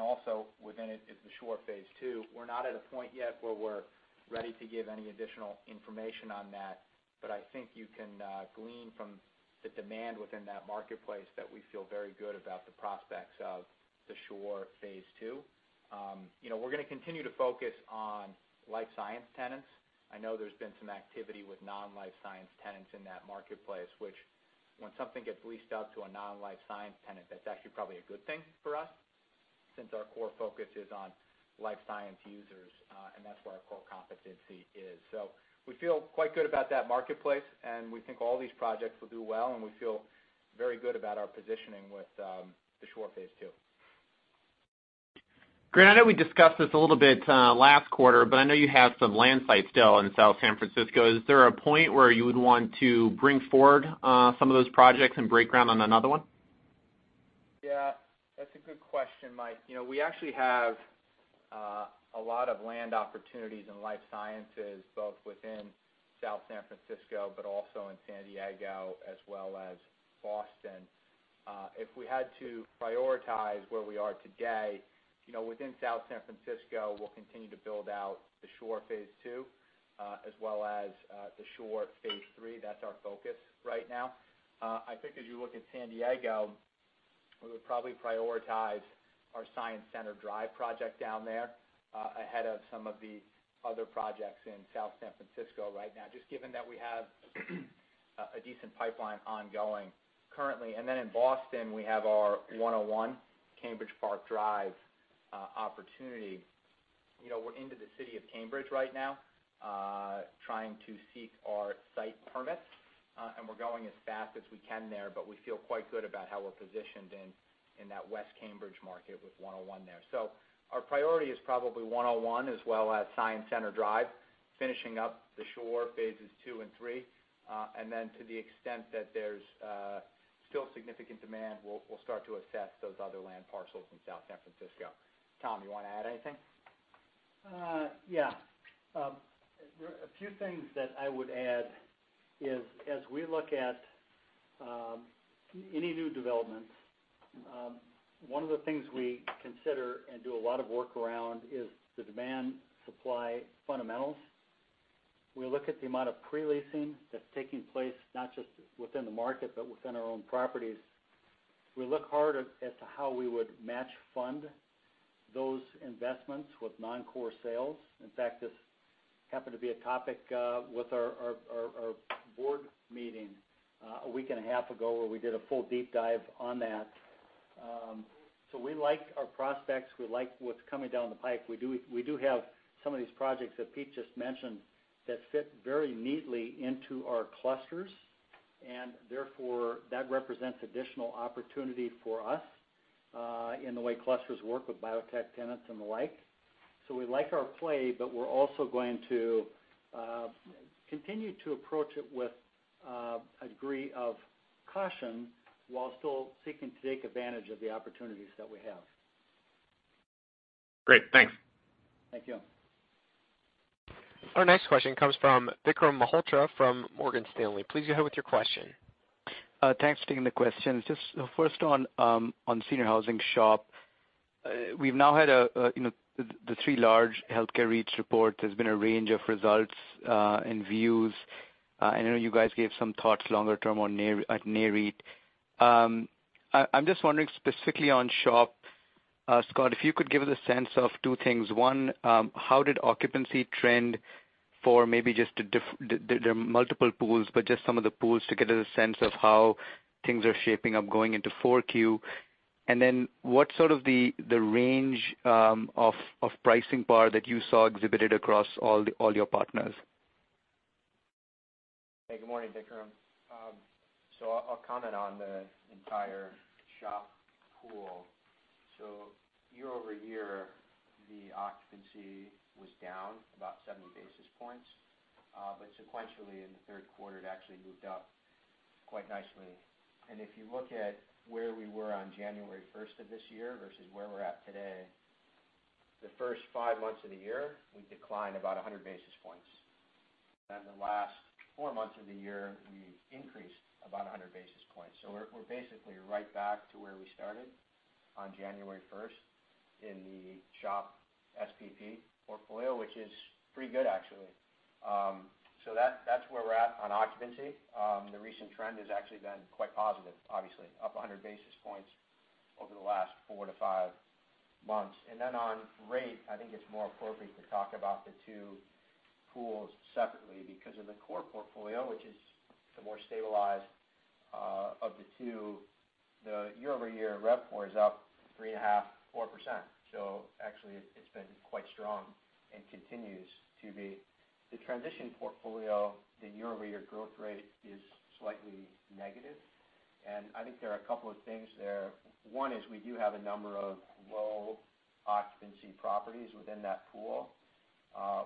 Also within it is The Shore phase 2. We're not at a point yet where we're ready to give any additional information on that, but I think you can glean from the demand within that marketplace that we feel very good about the prospects of The Shore phase II. We're going to continue to focus on life science tenants. I know there's been some activity with non-life science tenants in that marketplace, which when something gets leased out to a non-life science tenant, that's actually probably a good thing for us since our core focus is on life science users, and that's where our core competency is. We feel quite good about that marketplace, and we think all these projects will do well, and we feel very good about our positioning with The Shore phase two. Grant, I know we discussed this a little bit last quarter. I know you have some land sites still in South San Francisco. Is there a point where you would want to bring forward some of those projects and break ground on another one? Yeah. That's a good question, Mike. We actually have a lot of land opportunities in life sciences, both within South San Francisco, but also in San Diego as well as Boston. If we had to prioritize where we are today, within South San Francisco, we'll continue to build out The Shore phase II, as well as The Shore phase III. That's our focus right now. I think as you look at San Diego, we would probably prioritize our Science Center Drive project down there, ahead of some of the other projects in South San Francisco right now, just given that we have a decent pipeline ongoing currently. In Boston, we have our 101 Cambridge Park Drive opportunity. We're into the city of Cambridge right now, trying to seek our site permits. We're going as fast as we can there, but we feel quite good about how we're positioned in that West Cambridge market with 101 there. Our priority is probably 101 as well as Science Center Drive, finishing up The Shore phases II and III. To the extent that there's still significant demand, we'll start to assess those other land parcels in South San Francisco. Tom, you want to add anything? A few things that I would add is, as we look at any new developments, one of the things we consider and do a lot of work around is the demand-supply fundamentals. We look at the amount of pre-leasing that's taking place, not just within the market, but within our own properties. We look hard as to how we would match fund those investments with non-core sales. In fact, this happened to be a topic with our board meeting a week and a half ago, where we did a full deep dive on that. We like our prospects. We like what's coming down the pipe. We do have some of these projects that Pete just mentioned that fit very neatly into our clusters, and therefore, that represents additional opportunity for us in the way clusters work with biotech tenants and the like. We like our play, but we're also going to continue to approach it with a degree of caution while still seeking to take advantage of the opportunities that we have. Great. Thanks. Thank you. Our next question comes from Vikram Malhotra from Morgan Stanley. Please go ahead with your question. Thanks for taking the questions. Just first on Senior Housing SHOP. We've now had the three large healthcare REITs reports. There's been a range of results and views. I know you guys gave some thoughts longer term on net REIT. I'm just wondering specifically on SHOP, Scott, if you could give us a sense of two things. One, how did occupancy trend for maybe just the multiple pools, but just some of the pools to get a sense of how things are shaping up going into 4Q. What's sort of the range of pricing bar that you saw exhibited across all your partners? Hey, good morning, Vikram. I'll comment on the entire SHOP pool. Year-over-year, the occupancy was down about 70 basis points. Sequentially in the third quarter, it actually moved up quite nicely. If you look at where we were on January 1st of this year versus where we're at today, the first five months of the year, we declined about 100 basis points. The last four months of the year, we increased about 100 basis points. We're basically right back to where we started on January 1st in the SHOP SPP portfolio, which is pretty good, actually. That's where we're at on occupancy. The recent trend has actually been quite positive, obviously, up 100 basis points over the last four to five months. Then on rate, I think it's more appropriate to talk about the two pools separately because of the core portfolio, which is the more stabilized of the two. The year-over-year RevPOR is up 3.5%-4%. Actually, it's been quite strong and continues to be. The transition portfolio, the year-over-year growth rate is slightly negative, I think there are a couple of things there. One is we do have a number of low-occupancy properties within that pool,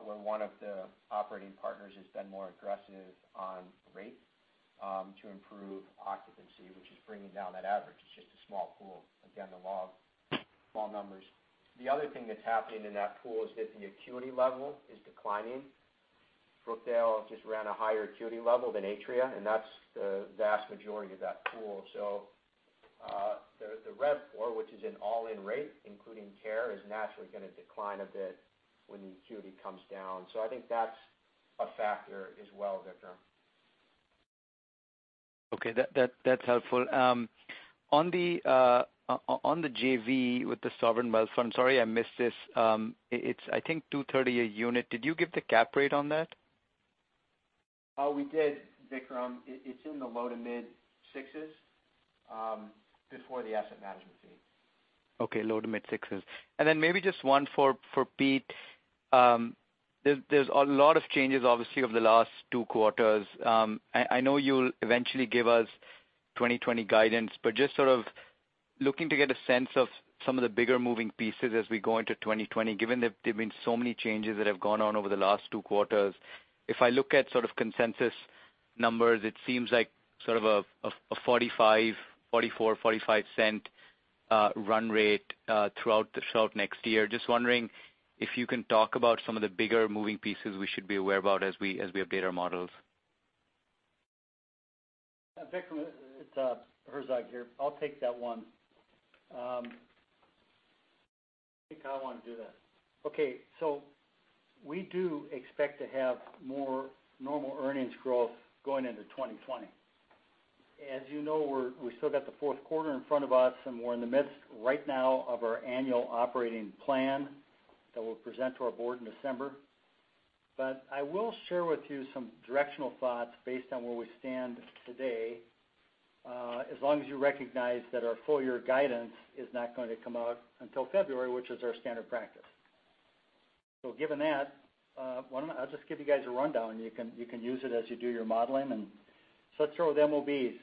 where one of the operating partners has been more aggressive on rate to improve occupancy, which is bringing down that average. It's just a small pool. Again, the law of small numbers. The other thing that's happening in that pool is that the acuity level is declining. Brookdale just ran a higher acuity level than Atria, That's the vast majority of that pool. The RevPOR, which is an all-in rate, including care, is naturally going to decline a bit when the acuity comes down. I think that's a factor as well, Vikram. Okay. That's helpful. On the JV with the sovereign wealth fund, sorry, I missed this. It's I think $230 a unit. Did you give the cap rate on that? Oh, we did, Vikram. It's in the low to mid sixes before the asset management fee. Okay. Low to mid sixes. Then maybe just one for Pete. There's a lot of changes, obviously, over the last two quarters. I know you'll eventually give us 2020 guidance, but just sort of looking to get a sense of some of the bigger moving pieces as we go into 2020, given that there've been so many changes that have gone on over the last two quarters. If I look at sort of consensus numbers, it seems like sort of a $0.44, $0.45 run rate throughout next year. Just wondering if you can talk about some of the bigger moving pieces we should be aware about as we update our models. Vikram, it's Herzog here. I'll take that one. I think I want to do that. Okay, we do expect to have more normal earnings growth going into 2020. As you know, we still got the fourth quarter in front of us, and we're in the midst right now of our annual operating plan that we'll present to our board in December. I will share with you some directional thoughts based on where we stand today, as long as you recognize that our full-year guidance is not going to come out until February, which is our standard practice. Given that, why don't I just give you guys a rundown, and you can use it as you do your modeling. Let's start with MOBs.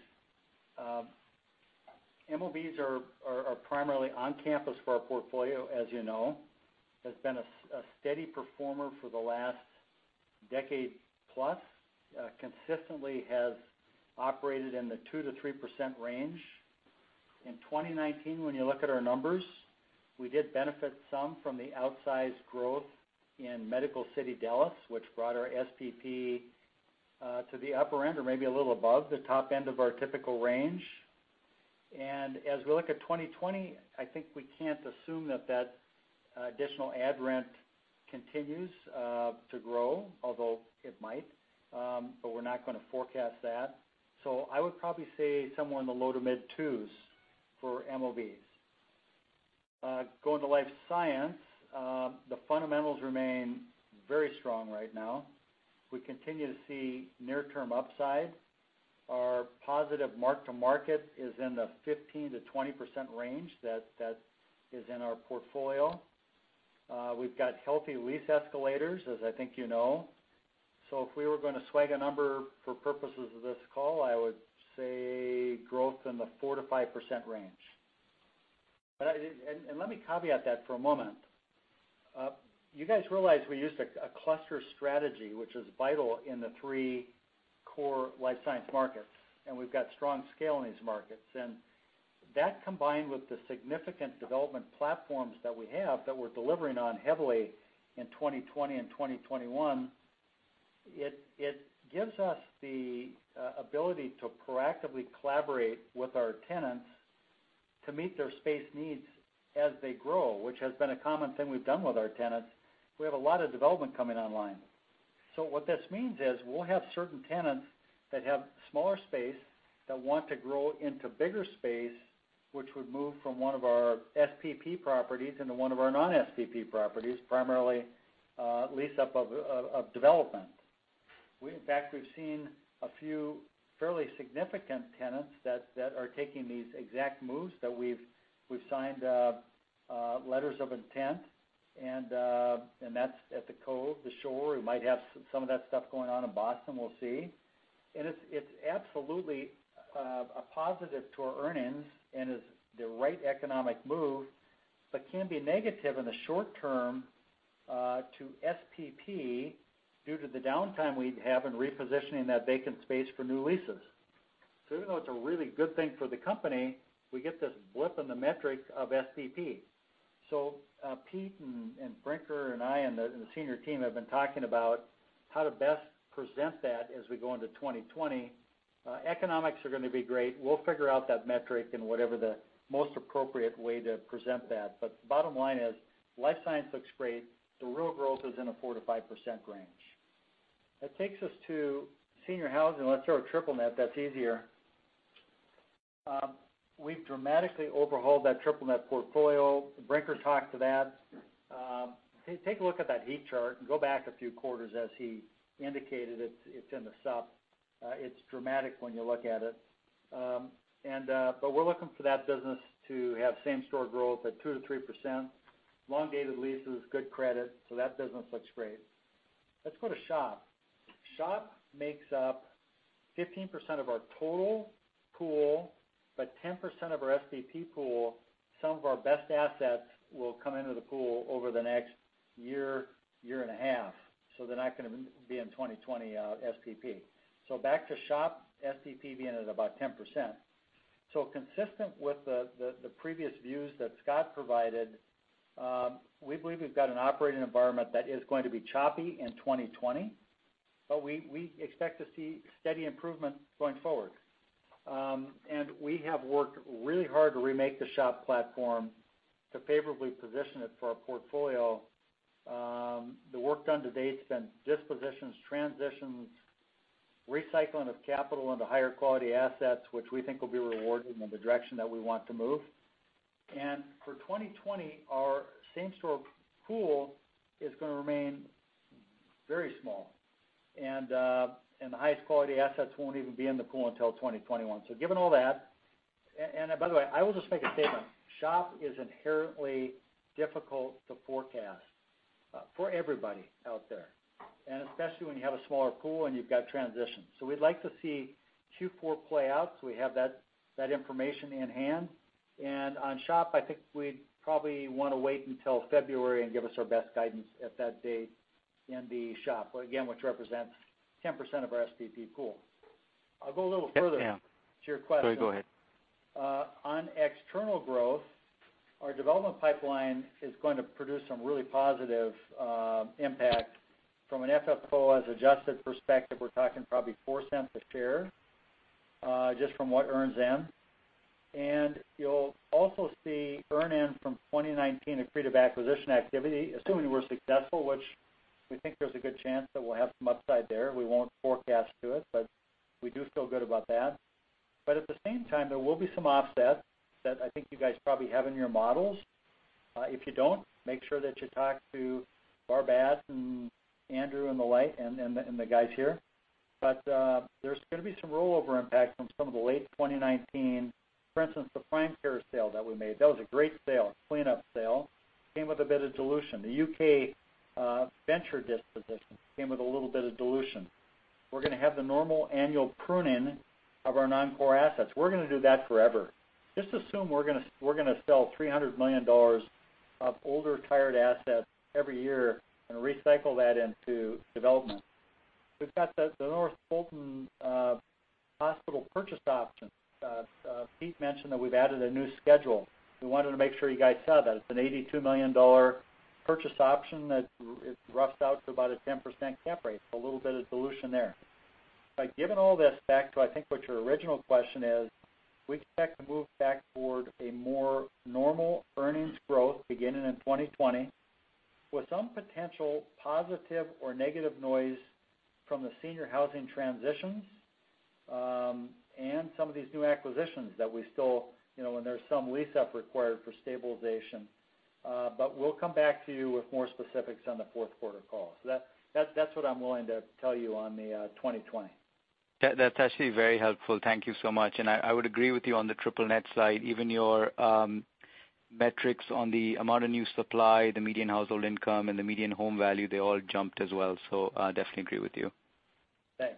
MOBs are primarily on campus for our portfolio, as you know. Has been a steady performer for the last decade-plus. Consistently has operated in the 2%-3% range. In 2019, when you look at our numbers, we did benefit some from the outsized growth in Medical City Dallas, which brought our SPP to the upper end or maybe a little above the top end of our typical range. As we look at 2020, I think we can't assume that additional ad rent continues to grow, although it might. We're not going to forecast that. I would probably say somewhere in the low to mid twos for MOBs. Going to life science. The fundamentals remain very strong right now. We continue to see near-term upside. Our positive mark to market is in the 15%-20% range that is in our portfolio. We've got healthy lease escalators, as I think you know. If we were going to swag a number for purposes of this call, I would say growth in the 4%-5% range. Let me caveat that for a moment. You guys realize we used a cluster strategy, which is vital in the three core life science markets, and we've got strong scale in these markets. That, combined with the significant development platforms that we have, that we're delivering on heavily in 2020 and 2021, it gives us the ability to proactively collaborate with our tenants to meet their space needs as they grow, which has been a common thing we've done with our tenants. We have a lot of development coming online. What this means is we'll have certain tenants that have smaller space that want to grow into bigger space, which would move from one of our SPP properties into one of our non-SPP properties, primarily lease-up of development. In fact, we've seen a few fairly significant tenants that are taking these exact moves, that we've signed letters of intent, and that's at The Cove, The Shore. We might have some of that stuff going on in Boston. We'll see. It's absolutely a positive to our earnings and is the right economic move, but can be negative in the short term to SPP due to the downtime we'd have in repositioning that vacant space for new leases. Even though it's a really good thing for the company, we get this blip in the metric of SPP. Pete and Brinker and I and the senior team have been talking about how to best present that as we go into 2020. Economics are going to be great. We'll figure out that metric and whatever the most appropriate way to present that. The bottom line is life science looks great. The real growth is in the 4%-5% range. That takes us to senior housing. Let's start with triple-net. That's easier. We've dramatically overhauled that triple-net portfolio. Brinker talked to that. Take a look at that heat chart and go back a few quarters, as he indicated, it's in the sup. It's dramatic when you look at it. We're looking for that business to have same-store growth at 2%-3%. Long-dated leases, good credit. That business looks great. Let's go to SHOP. SHOP makes up 15% of our total pool, but 10% of our SPP pool. Some of our best assets will come into the pool over the next year and a half. They're not going to be in 2020 SPP. Back to SHOP, SPP being at about 10%. Consistent with the previous views that Scott provided, we believe we've got an operating environment that is going to be choppy in 2020, but we expect to see steady improvement going forward. We have worked really hard to remake the SHOP platform to favorably position it for our portfolio. The work done to date's been dispositions, transitions, recycling of capital into higher quality assets, which we think will be rewarding in the direction that we want to move. For 2020, our same-store pool is going to remain very small, and the highest quality assets won't even be in the pool until 2021. Given all that, and by the way, I will just make a statement. SHOP is inherently difficult to forecast for everybody out there, and especially when you have a smaller pool and you've got transitions. We'd like to see Q4 play out, so we have that information in hand. On SHOP, I think we'd probably want to wait until February and give us our best guidance at that date in the SHOP. Again, which represents 10% of our SPP pool. I'll go a little further to your question. Sorry, go ahead. On external growth, our development pipeline is going to produce some really positive impact. From an FFO as adjusted perspective, we're talking probably $0.04 a share, just from what earns in. You'll also see earn in from 2019 accretive acquisition activity, assuming we're successful, which we think there's a good chance that we'll have some upside there. We won't forecast to it, but we do feel good about that. At the same time, there will be some offset that I think you guys probably have in your models. If you don't, make sure that you talk to Barbat and Andrew and the like, and the guys here. There's going to be some rollover impact from some of the late 2019. For instance, the Prime Care sale that we made. That was a great sale, a cleanup sale, came with a bit of dilution. The U.K. venture disposition came with a little bit of dilution. We're going to have the normal annual pruning of our non-core assets. We're going to do that forever. Just assume we're going to sell $300 million of older, tired assets every year and recycle that into development. We've got the North Fulton Hospital purchase option. Pete mentioned that we've added a new schedule. We wanted to make sure you guys saw that. It's an $82 million purchase option that it roughs out to about a 10% cap rate, so a little bit of dilution there. Given all this, back to I think what your original question is, we expect to move back toward a more normal earnings growth beginning in 2020, with some potential positive or negative noise from the senior housing transitions, and some of these new acquisitions that we still-- When there's some lease-up required for stabilization. We'll come back to you with more specifics on the fourth quarter call. That's what I'm willing to tell you on the 2020. That's actually very helpful. Thank you so much. I would agree with you on the triple-net side, even your metrics on the amount of new supply, the median household income, and the median home value, they all jumped as well. Definitely agree with you. Thanks.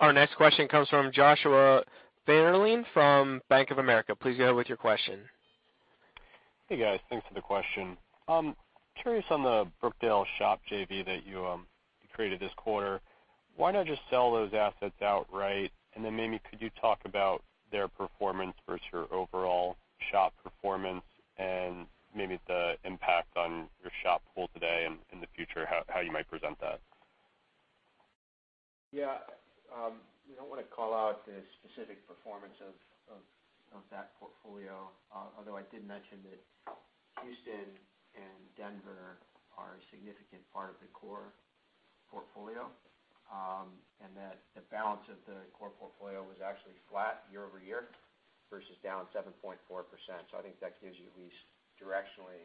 Our next question comes from Joshua Dennerlein from Bank of America. Please go ahead with your question. Hey, guys. Thanks for the question. Curious on the Brookdale SHOP JV that you created this quarter. Why not just sell those assets outright? Maybe could you talk about their performance versus your overall SHOP performance and maybe the impact on your SHOP pool today and in the future, how you might present that. Yeah. We don't want to call out the specific performance of that portfolio, although I did mention that Houston and Denver are a significant part of the core portfolio, and that the balance of the core portfolio was actually flat year-over-year, versus down 7.4%. I think that gives you at least directionally,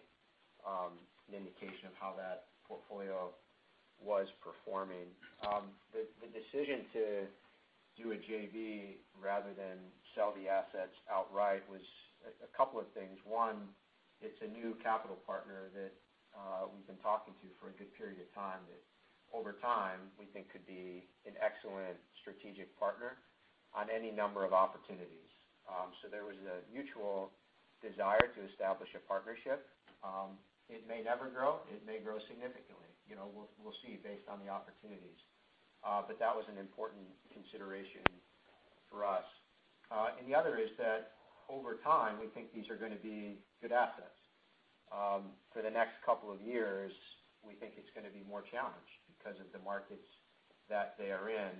an indication of how that portfolio was performing. The decision to do a JV rather than sell the assets outright was a couple of things. One, it's a new capital partner that we've been talking to for a good period of time that over time, we think could be an excellent strategic partner on any number of opportunities. There was a mutual desire to establish a partnership. It may never grow. It may grow significantly. We'll see based on the opportunities. That was an important consideration for us. The other is that over time, we think these are going to be good assets. For the next couple of years, we think it's going to be more challenged because of the markets that they are in.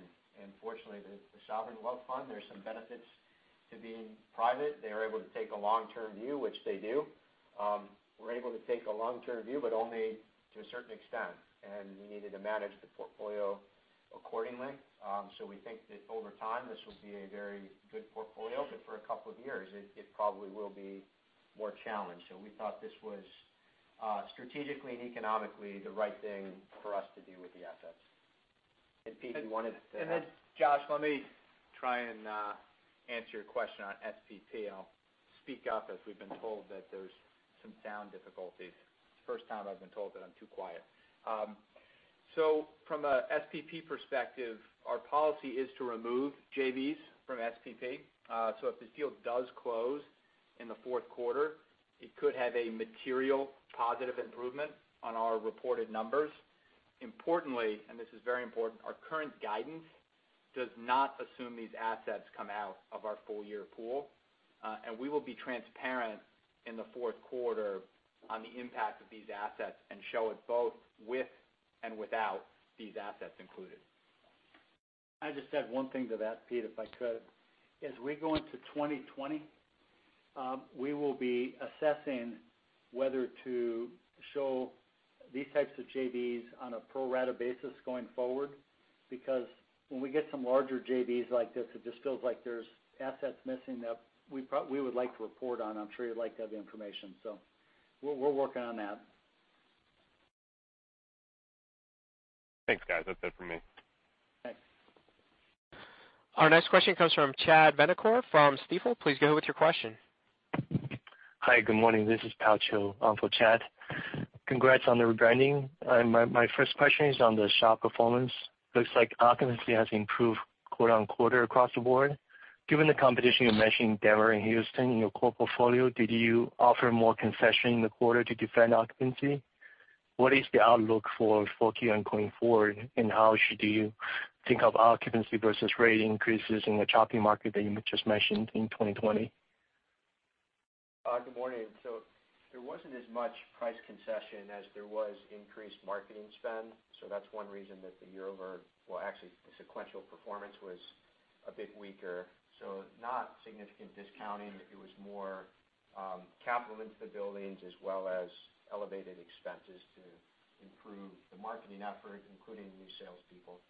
Fortunately, the sovereign wealth fund, there's some benefits to being private. They're able to take a long-term view, which they do. We're able to take a long-term view, but only to a certain extent, and we needed to manage the portfolio accordingly. We think that over time, this will be a very good portfolio. For a couple of years, it probably will be more challenged. We thought this was strategically and economically the right thing for us to do with the assets. Pete. Josh, let me try and answer your question on SPP, and I'll speak up as we've been told that there's some sound difficulties. It's the first time I've been told that I'm too quiet. From a SPP perspective, our policy is to remove JVs from SPP. If this deal does close in the fourth quarter, it could have a material positive improvement on our reported numbers. Importantly, and this is very important, our current guidance does not assume these assets come out of our full-year pool. We will be transparent in the fourth quarter on the impact of these assets and show it both with and without these assets included. Can I just add one thing to that, Pete, if I could? As we go into 2020, we will be assessing whether to show these types of JVs on a pro rata basis going forward, because when we get some larger JVs like this, it just feels like there's assets missing that we would like to report on. I'm sure you'd like to have the information. We're working on that. Thanks, guys. That's it for me. Thanks. Our next question comes from Chad Vanacore from Stifel. Please go ahead with your question. Hi, good morning. This is Pao Chu in for Chad. Congrats on the rebranding. My first question is on the SHOP performance. Looks like occupancy has improved quarter-over-quarter across the board. Given the competition you mentioned in Denver and Houston in your core portfolio, did you offer more concession in the quarter to defend occupancy? What is the outlook for 4Q and going forward, and how should you think of occupancy versus rate increases in the choppy market that you just mentioned in 2020? Good morning. There wasn't as much price concession as there was increased marketing spend. That's one reason that, well, actually, the sequential performance was a bit weaker. Not significant discounting. It was more capital into the buildings, as well as elevated expenses to improve the marketing effort, including new salespeople.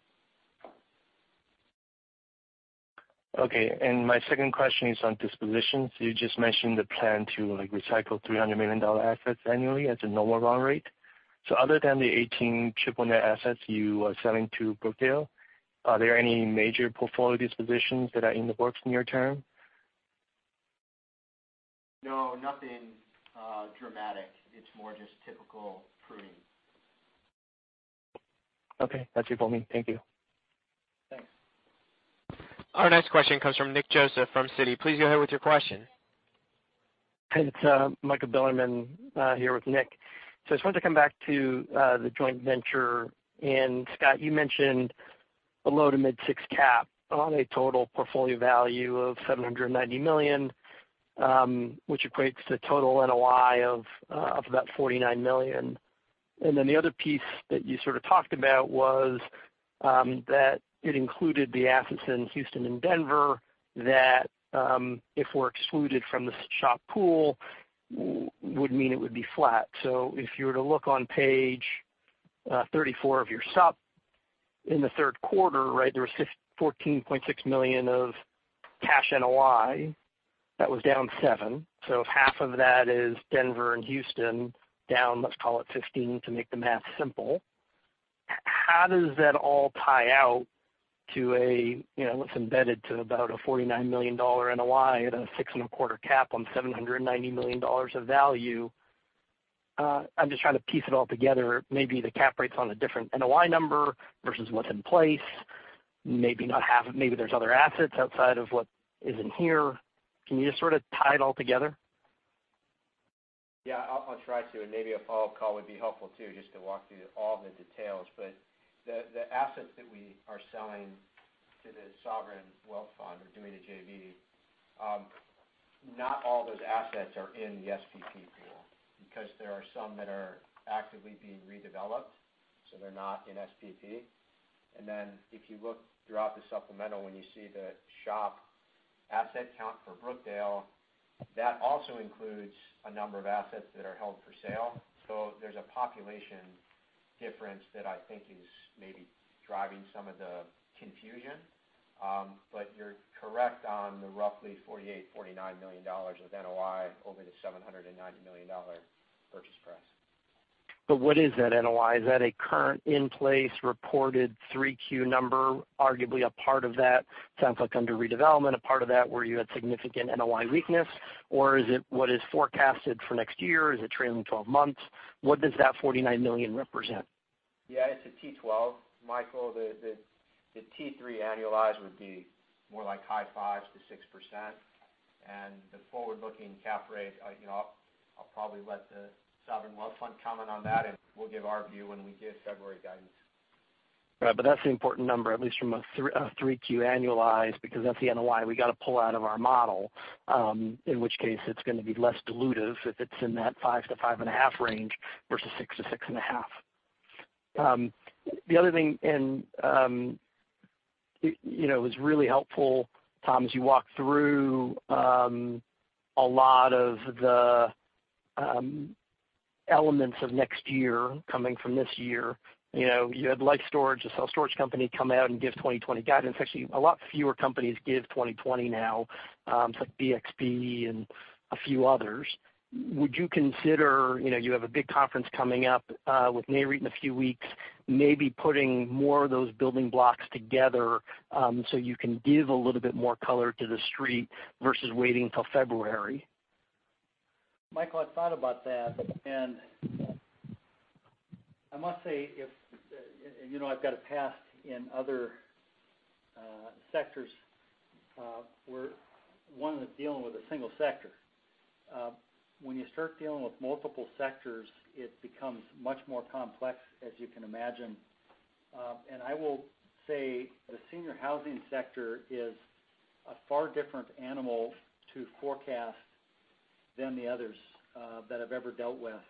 Okay. My second question is on dispositions. You just mentioned the plan to recycle $300 million assets annually as a normal run rate. Other than the 18 triple-net assets you are selling to Brookdale, are there any major portfolio dispositions that are in the works near-term? No, nothing dramatic. It's more just typical pruning. Okay. That's it for me. Thank you. Thanks. Our next question comes from Nick Joseph from Citi. Please go ahead with your question. It's Michael Bilerman here with Nick. I just wanted to come back to the joint venture. Scott, you mentioned a low-to-mid six cap on a total portfolio value of $790 million, which equates to total NOI of about $49 million. Then the other piece that you sort of talked about was that it included the assets in Houston and Denver, that if were excluded from the SHOP pool, would mean it would be flat. If you were to look on page 34 of your sup, in the third quarter, right? There was $14.6 million of cash NOI. That was down seven. If half of that is Denver and Houston down, let's call it 15 to make the math simple, how does that all pie out to what's embedded to about a $49 million NOI at a six and a quarter cap on $790 million of value? I'm just trying to piece it all together. Maybe the cap rate's on a different NOI number versus what's in place. Maybe there's other assets outside of what is in here. Can you just sort of tie it all together? Yeah. I'll try to. Maybe a follow-up call would be helpful too, just to walk through all the details. The assets that we are selling to the sovereign wealth fund or doing a JV, not all those assets are in the SPP pool because there are some that are actively being redeveloped, so they're not in SPP. If you look throughout the supplemental, when you see the SHOP asset count for Brookdale, that also includes a number of assets that are held for sale. There's a population difference that I think is maybe driving some of the confusion. You're correct on the roughly $48 million-$49 million of NOI over the $790 million purchase price. What is that NOI? Is that a current in-place reported 3Q number? Arguably, a part of that sounds like under redevelopment, a part of that where you had significant NOI weakness, or is it what is forecasted for next year? Is it trailing 12 months? What does that $49 million represent? Yeah, it's a T12, Michael. The T3 annualized would be more like 5%-6%. The forward-looking cap rate, I'll probably let the sovereign wealth fund comment on that, and we'll give our view when we give February guidance. Right. That's the important number, at least from a 3Q annualized, because that's the NOI we got to pull out of our model. In which case, it's going to be less dilutive if it's in that 5-5.5 range versus 6-6.5. The other thing, it was really helpful, Tom, as you walked through a lot of the elements of next year coming from this year. You had Life Storage, a self-storage company, come out and give 2020 guidance. Actually, a lot fewer companies give 2020 now. It's like BXP and a few others. You have a big conference coming up, with Nareit in a few weeks. Maybe putting more of those building blocks together, you can give a little bit more color to the Street versus waiting till February. Michael, I thought about that, and I must say, I've got a past in other sectors, where one is dealing with a single sector. When you start dealing with multiple sectors, it becomes much more complex, as you can imagine. I will say, the senior housing sector is a far different animal to forecast than the others, that I've ever dealt with.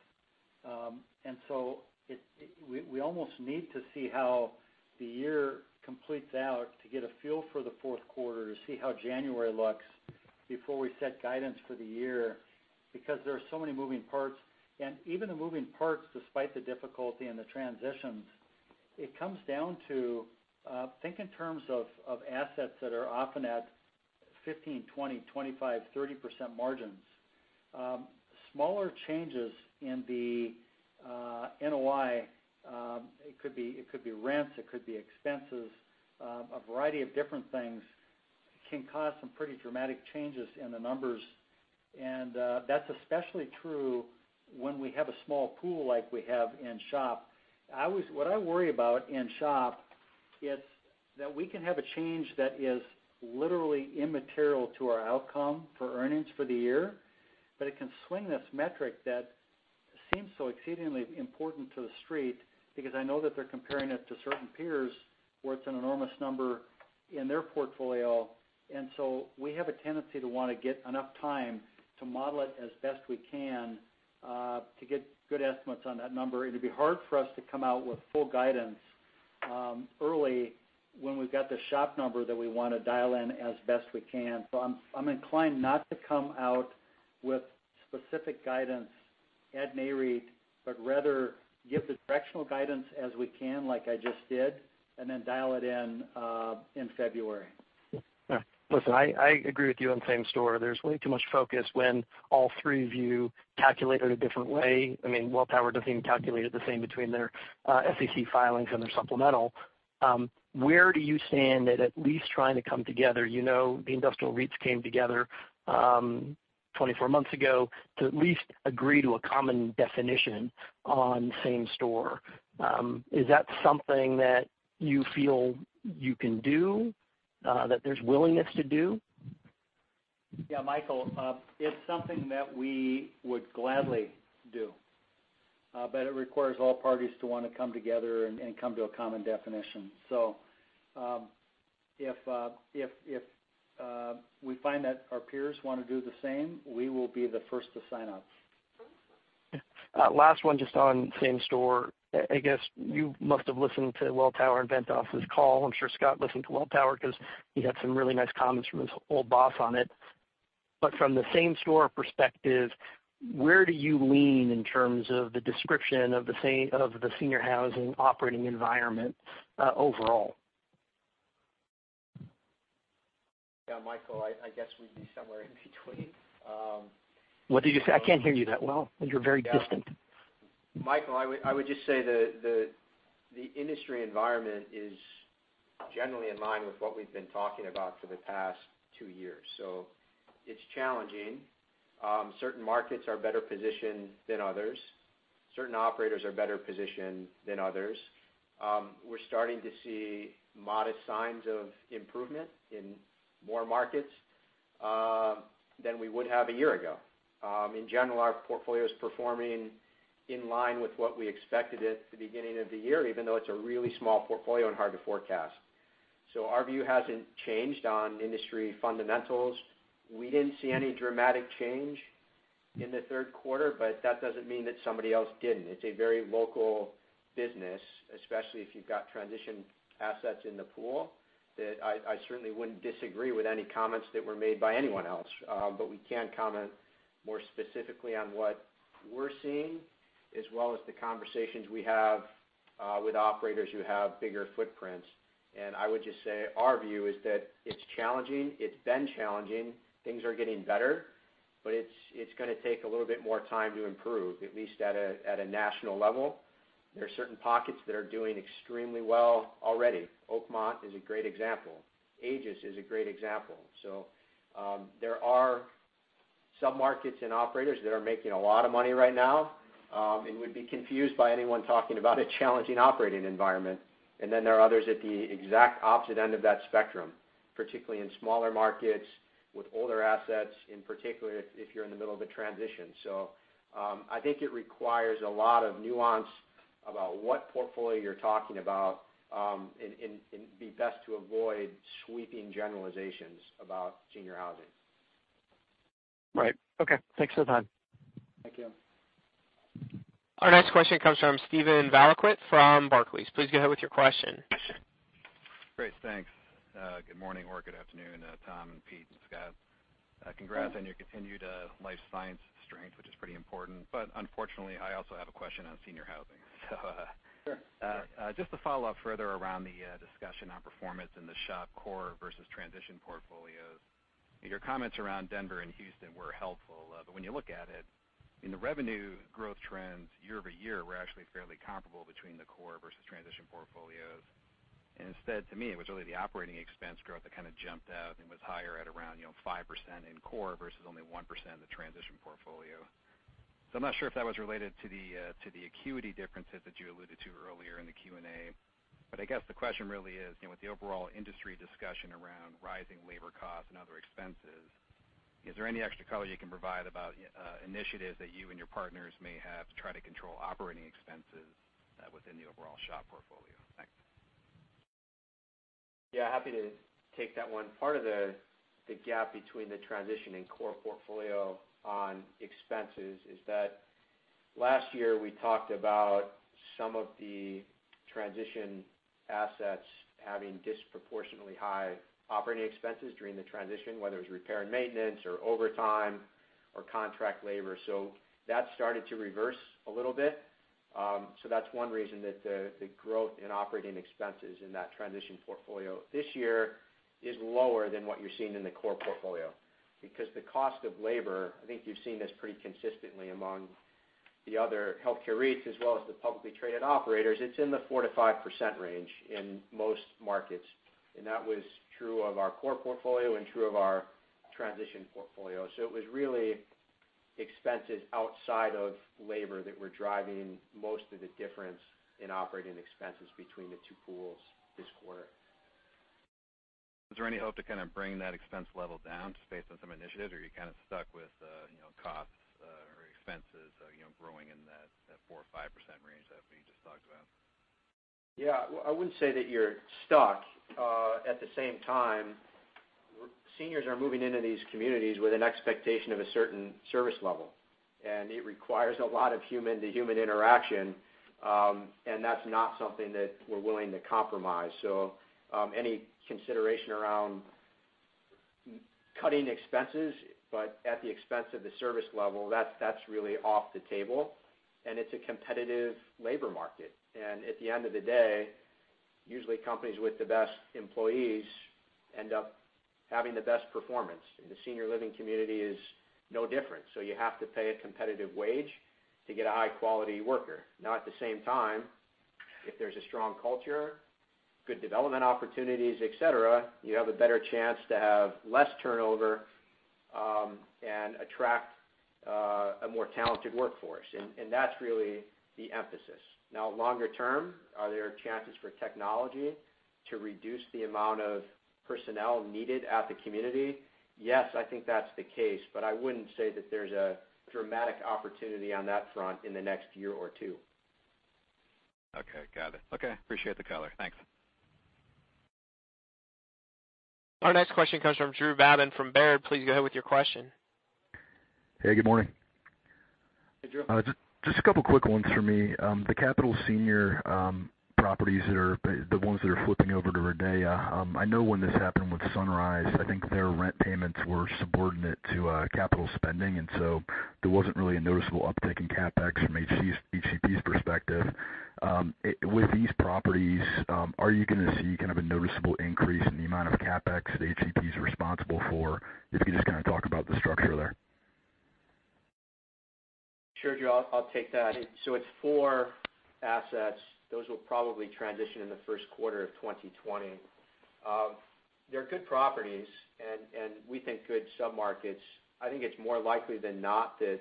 So we almost need to see how the year completes out to get a feel for the fourth quarter to see how January looks before we set guidance for the year, because there are so many moving parts. Even the moving parts, despite the difficulty and the transitions, it comes down to think in terms of assets that are often at 15%, 20%, 25%, 30% margins. Smaller changes in the NOI, it could be rents, it could be expenses, a variety of different things, can cause some pretty dramatic changes in the numbers. That's especially true when we have a small pool like we have in SHOP. What I worry about in SHOP is that we can have a change that is literally immaterial to our outcome for earnings for the year, but it can swing this metric that seems so exceedingly important to the street, because I know that they're comparing it to certain peers where it's an enormous number in their portfolio. We have a tendency to want to get enough time to model it as best we can, to get good estimates on that number. It'd be hard for us to come out with full guidance early when we've got the SHOP number that we want to dial in as best we can. I'm inclined not to come out with specific guidance at NAREIT, but rather give the directional guidance as we can, like I just did, and then dial it in February. All right. Listen, I agree with you on same store. There's way too much focus when all three of you calculate it a different way. Welltower doesn't even calculate it the same between their SEC filings and their supplemental. Where do you stand at at least trying to come together? You know the industrial REITs came together 24 months ago to at least agree to a common definition on same store. Is that something that you feel you can do, that there's willingness to do? Yeah, Michael, it's something that we would gladly do. It requires all parties to want to come together and come to a common definition. If we find that our peers want to do the same, we will be the first to sign up. Last one, just on same store. I guess you must have listened to Welltower and Ventas' call. I'm sure Scott listened to Welltower because he had some really nice comments from his old boss on it. From the same store perspective, where do you lean in terms of the description of the senior housing operating environment overall? Yeah, Michael, I guess we'd be somewhere in between. What did you say? I can't hear you that well. You're very distant. Michael, I would just say the industry environment is generally in line with what we've been talking about for the past two years. It's challenging. Certain markets are better positioned than others. Certain operators are better positioned than others. We're starting to see modest signs of improvement in more markets than we would have a year ago. In general, our portfolio is performing in line with what we expected at the beginning of the year, even though it's a really small portfolio and hard to forecast. Our view hasn't changed on industry fundamentals. We didn't see any dramatic change in the third quarter, but that doesn't mean that somebody else didn't. It's a very local business, especially if you've got transition assets in the pool, that I certainly wouldn't disagree with any comments that were made by anyone else. We can comment more specifically on what we're seeing, as well as the conversations we have with operators who have bigger footprints. I would just say our view is that it's challenging. It's been challenging. Things are getting better, but it's going to take a little bit more time to improve, at least at a national level. There are certain pockets that are doing extremely well already. Oakmont is a great example. Aegis is a great example. There are some markets and operators that are making a lot of money right now, and would be confused by anyone talking about a challenging operating environment. Then there are others at the exact opposite end of that spectrum, particularly in smaller markets with older assets, in particular if you're in the middle of a transition. I think it requires a lot of nuance about what portfolio you're talking about, and it'd be best to avoid sweeping generalizations about senior housing. Right. Okay. Thanks for the time. Thank you. Our next question comes from Steven Valiquette from Barclays. Please go ahead with your question. Great. Thanks. Good morning or good afternoon, Tom, Pete and Scott. Congrats on your continued life science strength, which is pretty important. Unfortunately, I also have a question on senior housing. Sure. Just to follow up further around the discussion on performance in the SHOP core versus transition portfolios. Your comments around Denver and Houston were helpful. When you look at it, in the revenue growth trends year-over-year were actually fairly comparable between the core versus transition portfolios. Instead, to me, it was really the operating expense growth that kind of jumped out and was higher at around 5% in core versus only 1% in the transition portfolio. I'm not sure if that was related to the acuity differences that you alluded to earlier in the Q&A. I guess the question really is, with the overall industry discussion around rising labor costs and other expenses, is there any extra color you can provide about initiatives that you and your partners may have to try to control operating expenses within the overall SHOP portfolio? Thanks. Yeah, happy to take that one. Part of the gap between the transition and core portfolio on expenses is that last year we talked about some of the transition assets having disproportionately high operating expenses during the transition, whether it's repair and maintenance or overtime or contract labor. That started to reverse a little bit. That's one reason that the growth in operating expenses in that transition portfolio this year is lower than what you're seeing in the core portfolio. The cost of labor, I think you've seen this pretty consistently among the other healthcare REITs as well as the publicly traded operators, it's in the 4%-5% range in most markets. That was true of our core portfolio and true of our transition portfolio. It was really expenses outside of labor that were driving most of the difference in operating expenses between the two pools this quarter. Is there any hope to kind of bring that expense level down based on some initiatives, or are you kind of stuck with costs or expenses growing in that 4% or 5% range that we just talked about? Well, I wouldn't say that you're stuck. At the same time, seniors are moving into these communities with an expectation of a certain service level, and it requires a lot of human-to-human interaction, and that's not something that we're willing to compromise. Any consideration around cutting expenses, but at the expense of the service level, that's really off the table. It's a competitive labor market. At the end of the day, usually companies with the best employees end up having the best performance. In the senior living community, it's no different. You have to pay a competitive wage to get a high-quality worker. Now at the same time, if there's a strong culture, good development opportunities, et cetera, you have a better chance to have less turnover, and attract a more talented workforce, and that's really the emphasis. Longer term, are there chances for technology to reduce the amount of personnel needed at the community? Yes, I think that's the case, but I wouldn't say that there's a dramatic opportunity on that front in the next year or two. Okay, got it. Okay, appreciate the color. Thanks. Our next question comes from Drew Babin from Baird. Please go ahead with your question. Hey, good morning. Hey, Drew. Just a couple of quick ones for me. The Capital Senior properties, the ones that are flipping over to Revera. I know when this happened with Sunrise, I think their rent payments were subordinate to capital spending, and so there wasn't really a noticeable uptick in CapEx from HCP's perspective. With these properties, are you going to see kind of a noticeable increase in the amount of CapEx that HCP is responsible for? If you could just kind of talk about the structure there. Sure, Drew, I'll take that. It's four assets. Those will probably transition in the first quarter of 2020. They're good properties, and we think good submarkets. I think it's more likely than not that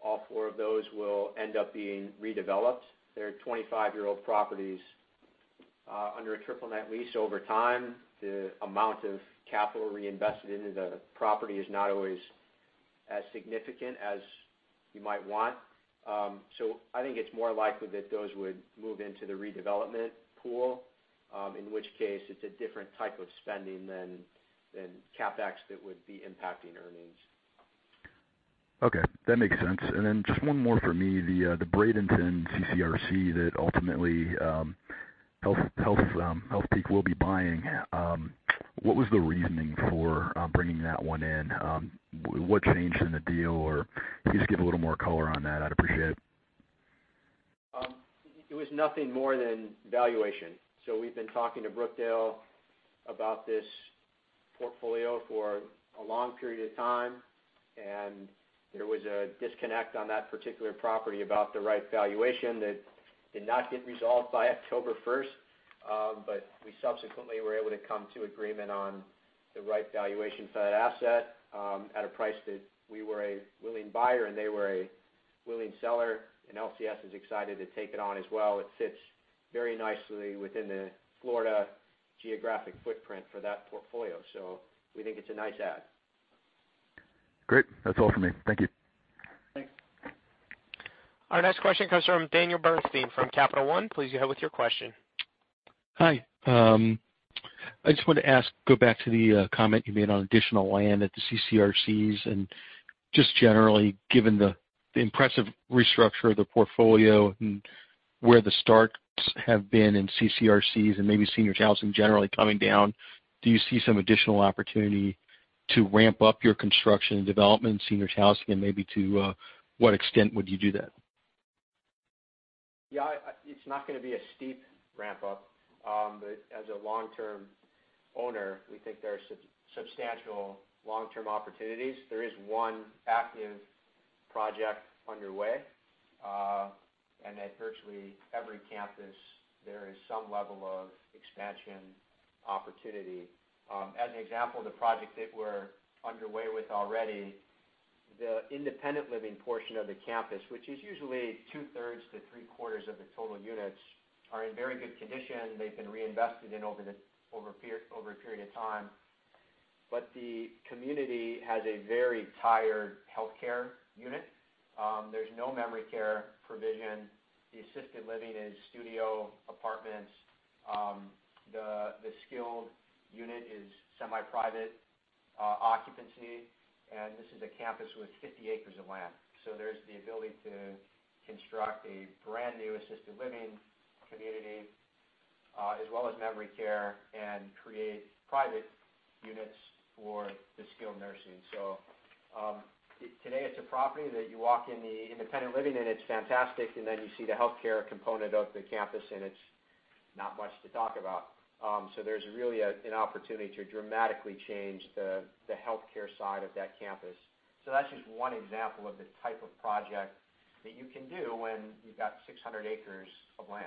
all four of those will end up being redeveloped. They're 25-year-old properties under a triple-net lease. Over time, the amount of capital reinvested into the property is not always as significant as you might want. I think it's more likely that those would move into the redevelopment pool, in which case it's a different type of spending than CapEx that would be impacting earnings. Okay, that makes sense. Just one more for me, the Bradenton CCRC that ultimately Healthpeak will be buying, what was the reasoning for bringing that one in? What changed in the deal, or can you just give a little more color on that? I'd appreciate it. It was nothing more than valuation. We've been talking to Brookdale about this portfolio for a long period of time, and there was a disconnect on that particular property about the right valuation that did not get resolved by October 1st. We subsequently were able to come to agreement on the right valuation for that asset, at a price that we were a willing buyer, and they were a willing seller, and LCS is excited to take it on as well. It fits very nicely within the Florida geographic footprint for that portfolio. We think it's a nice add. Great. That's all for me. Thank you. Thanks. Our next question comes from Daniel Bernstein from Capital One. Please go ahead with your question. Hi. I just want to ask, go back to the comment you made on additional land at the CCRCs, and just generally, given the impressive restructure of the portfolio and where the starts have been in CCRCs and maybe senior housing generally coming down, do you see some additional opportunity to ramp up your construction and development in senior housing, and maybe to what extent would you do that? It's not going to be a steep ramp up. As a long-term owner, we think there are substantial long-term opportunities. There is one active project underway. At virtually every campus, there is some level of expansion opportunity. As an example, the project that we're underway with already, the independent living portion of the campus, which is usually two-thirds to three-quarters of the total units, are in very good condition. They've been reinvested in over a period of time. The community has a very tired healthcare unit. There's no memory care provision. The assisted living is studio apartments. The skilled unit is semi-private occupancy, and this is a campus with 50 acres of land. There's the ability to construct a brand new assisted living community, as well as memory care, and create private units for the skilled nursing. Today it's a property that you walk in the independent living, and it's fantastic, and then you see the healthcare component of the campus and it's not much to talk about. There's really an opportunity to dramatically change the healthcare side of that campus. That's just one example of the type of project that you can do when you've got 600 acres of land.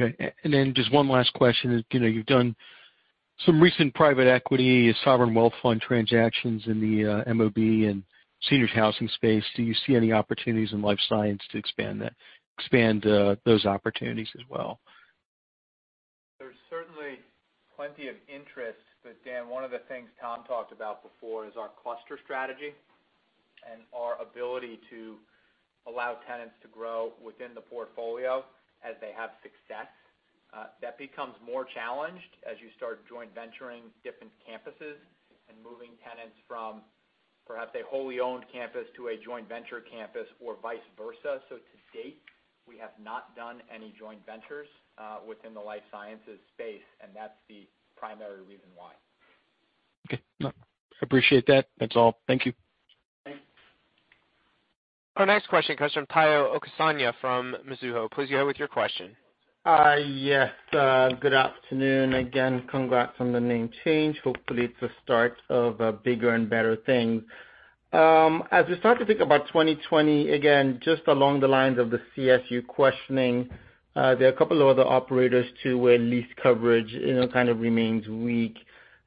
Okay. Just one last question is, you've done some recent private equity sovereign wealth fund transactions in the MOB and seniors housing space. Do you see any opportunities in life science to expand those opportunities as well? There's certainly plenty of interest, Dan, one of the things Tom talked about before is our cluster strategy and our ability to allow tenants to grow within the portfolio as they have success. That becomes more challenged as you start joint venturing different campuses and moving tenants from perhaps a wholly-owned campus to a joint venture campus, or vice versa. To date, we have not done any joint ventures within the life sciences space, and that's the primary reason why. Okay. No, I appreciate that. That's all. Thank you. Thanks. Our next question comes from Omotayo Okusanya from Mizuho. Please go ahead with your question. Hi, yes. Good afternoon again. Congrats on the name change. Hopefully, it's a start of a bigger and better thing. As we start to think about 2020, again, just along the lines of the CSU questioning, there are a couple of other operators, too, where lease coverage kind of remains weak.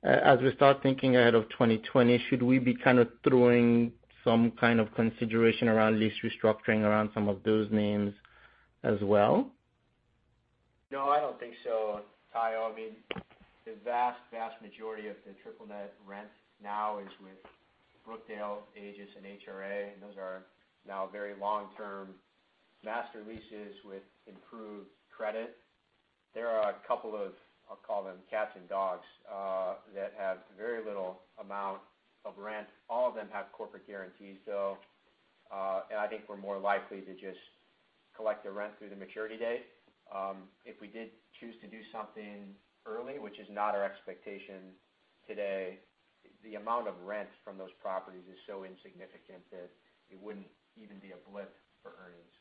As we start thinking ahead of 2020, should we be kind of throwing some kind of consideration around lease restructuring around some of those names as well? No, I don't think so, Tayo. The vast majority of the triple-net rent now is with Brookdale, Aegis, and HRA. Those are now very long-term master leases with improved credit. There are a couple of, I'll call them cats and dogs, that have very little amount of rent. All of them have corporate guarantees, though, and I think we're more likely to just collect the rent through the maturity date. If we did choose to do something early, which is not our expectation today, the amount of rent from those properties is so insignificant that it wouldn't even be a blip for earnings.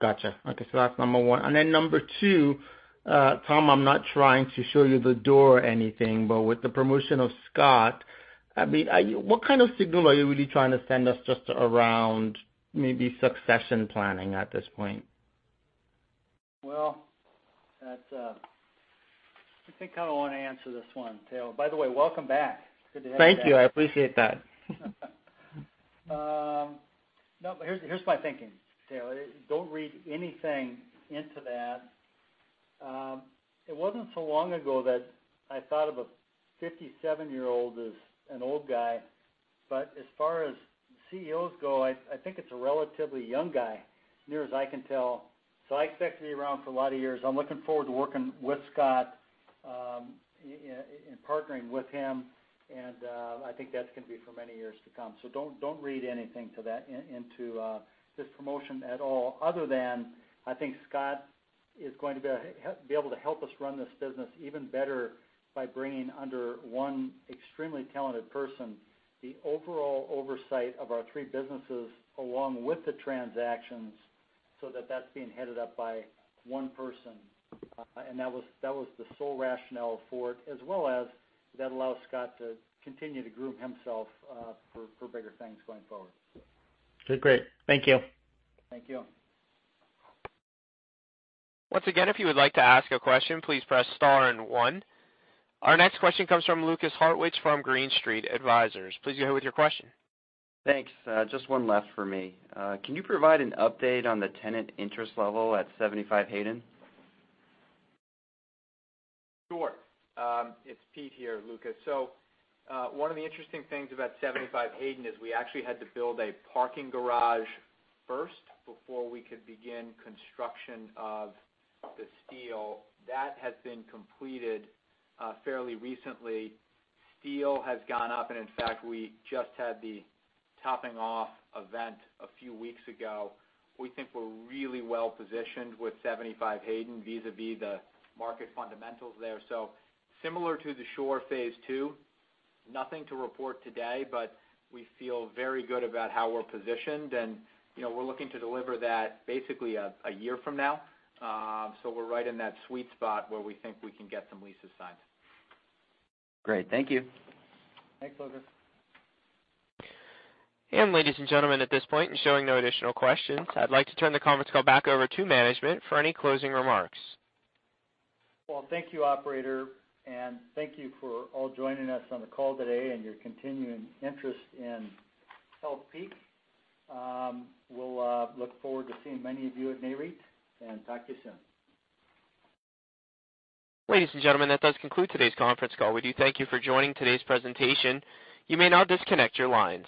Got you. Okay, that's number one. Number two, Tom, I'm not trying to show you the door or anything, with the promotion of Scott, what kind of signal are you really trying to send us just around maybe succession planning at this point? Well, I think I want to answer this one, Tayo. By the way, welcome back. Good to have you back. Thank you. I appreciate that. Here's my thinking, Tayo. Don't read anything into that. It wasn't so long ago that I thought of a 57-year-old as an old guy, but as far as CEOs go, I think it's a relatively young guy, near as I can tell. I expect to be around for a lot of years. I'm looking forward to working with Scott, and partnering with him, and I think that's going to be for many years to come. Don't read anything into this promotion at all, other than I think Scott is going to be able to help us run this business even better by bringing under one extremely talented person the overall oversight of our three businesses, along with the transactions, so that that's being headed up by one person. That was the sole rationale for it, as well as that allows Scott to continue to groom himself for bigger things going forward. Okay, great. Thank you. Thank you. Once again, if you would like to ask a question, please press star and one. Our next question comes from Lukas Hartwich from Green Street Advisors. Please go ahead with your question. Thanks. Just one left for me. Can you provide an update on the tenant interest level at 75 Hayden? Sure. It's Pete here, Lukas. One of the interesting things about 75 Hayden is we actually had to build a parking garage first before we could begin construction of the steel. That has been completed fairly recently. Steel has gone up, in fact, we just had the topping off event a few weeks ago. We think we're really well-positioned with 75 Hayden vis-a-vis the market fundamentals there. Similar to the Shore phase II, nothing to report today, we feel very good about how we're positioned, we're looking to deliver that basically a year from now. We're right in that sweet spot where we think we can get some leases signed. Great. Thank you. Thanks, Lukas. Ladies and gentlemen, at this point, showing no additional questions, I'd like to turn the conference call back over to management for any closing remarks. Well, thank you, operator, and thank you for all joining us on the call today and your continuing interest in Healthpeak. We'll look forward to seeing many of you at Nareit, and talk to you soon. Ladies and gentlemen, that does conclude today's conference call. We do thank you for joining today's presentation. You may now disconnect your lines.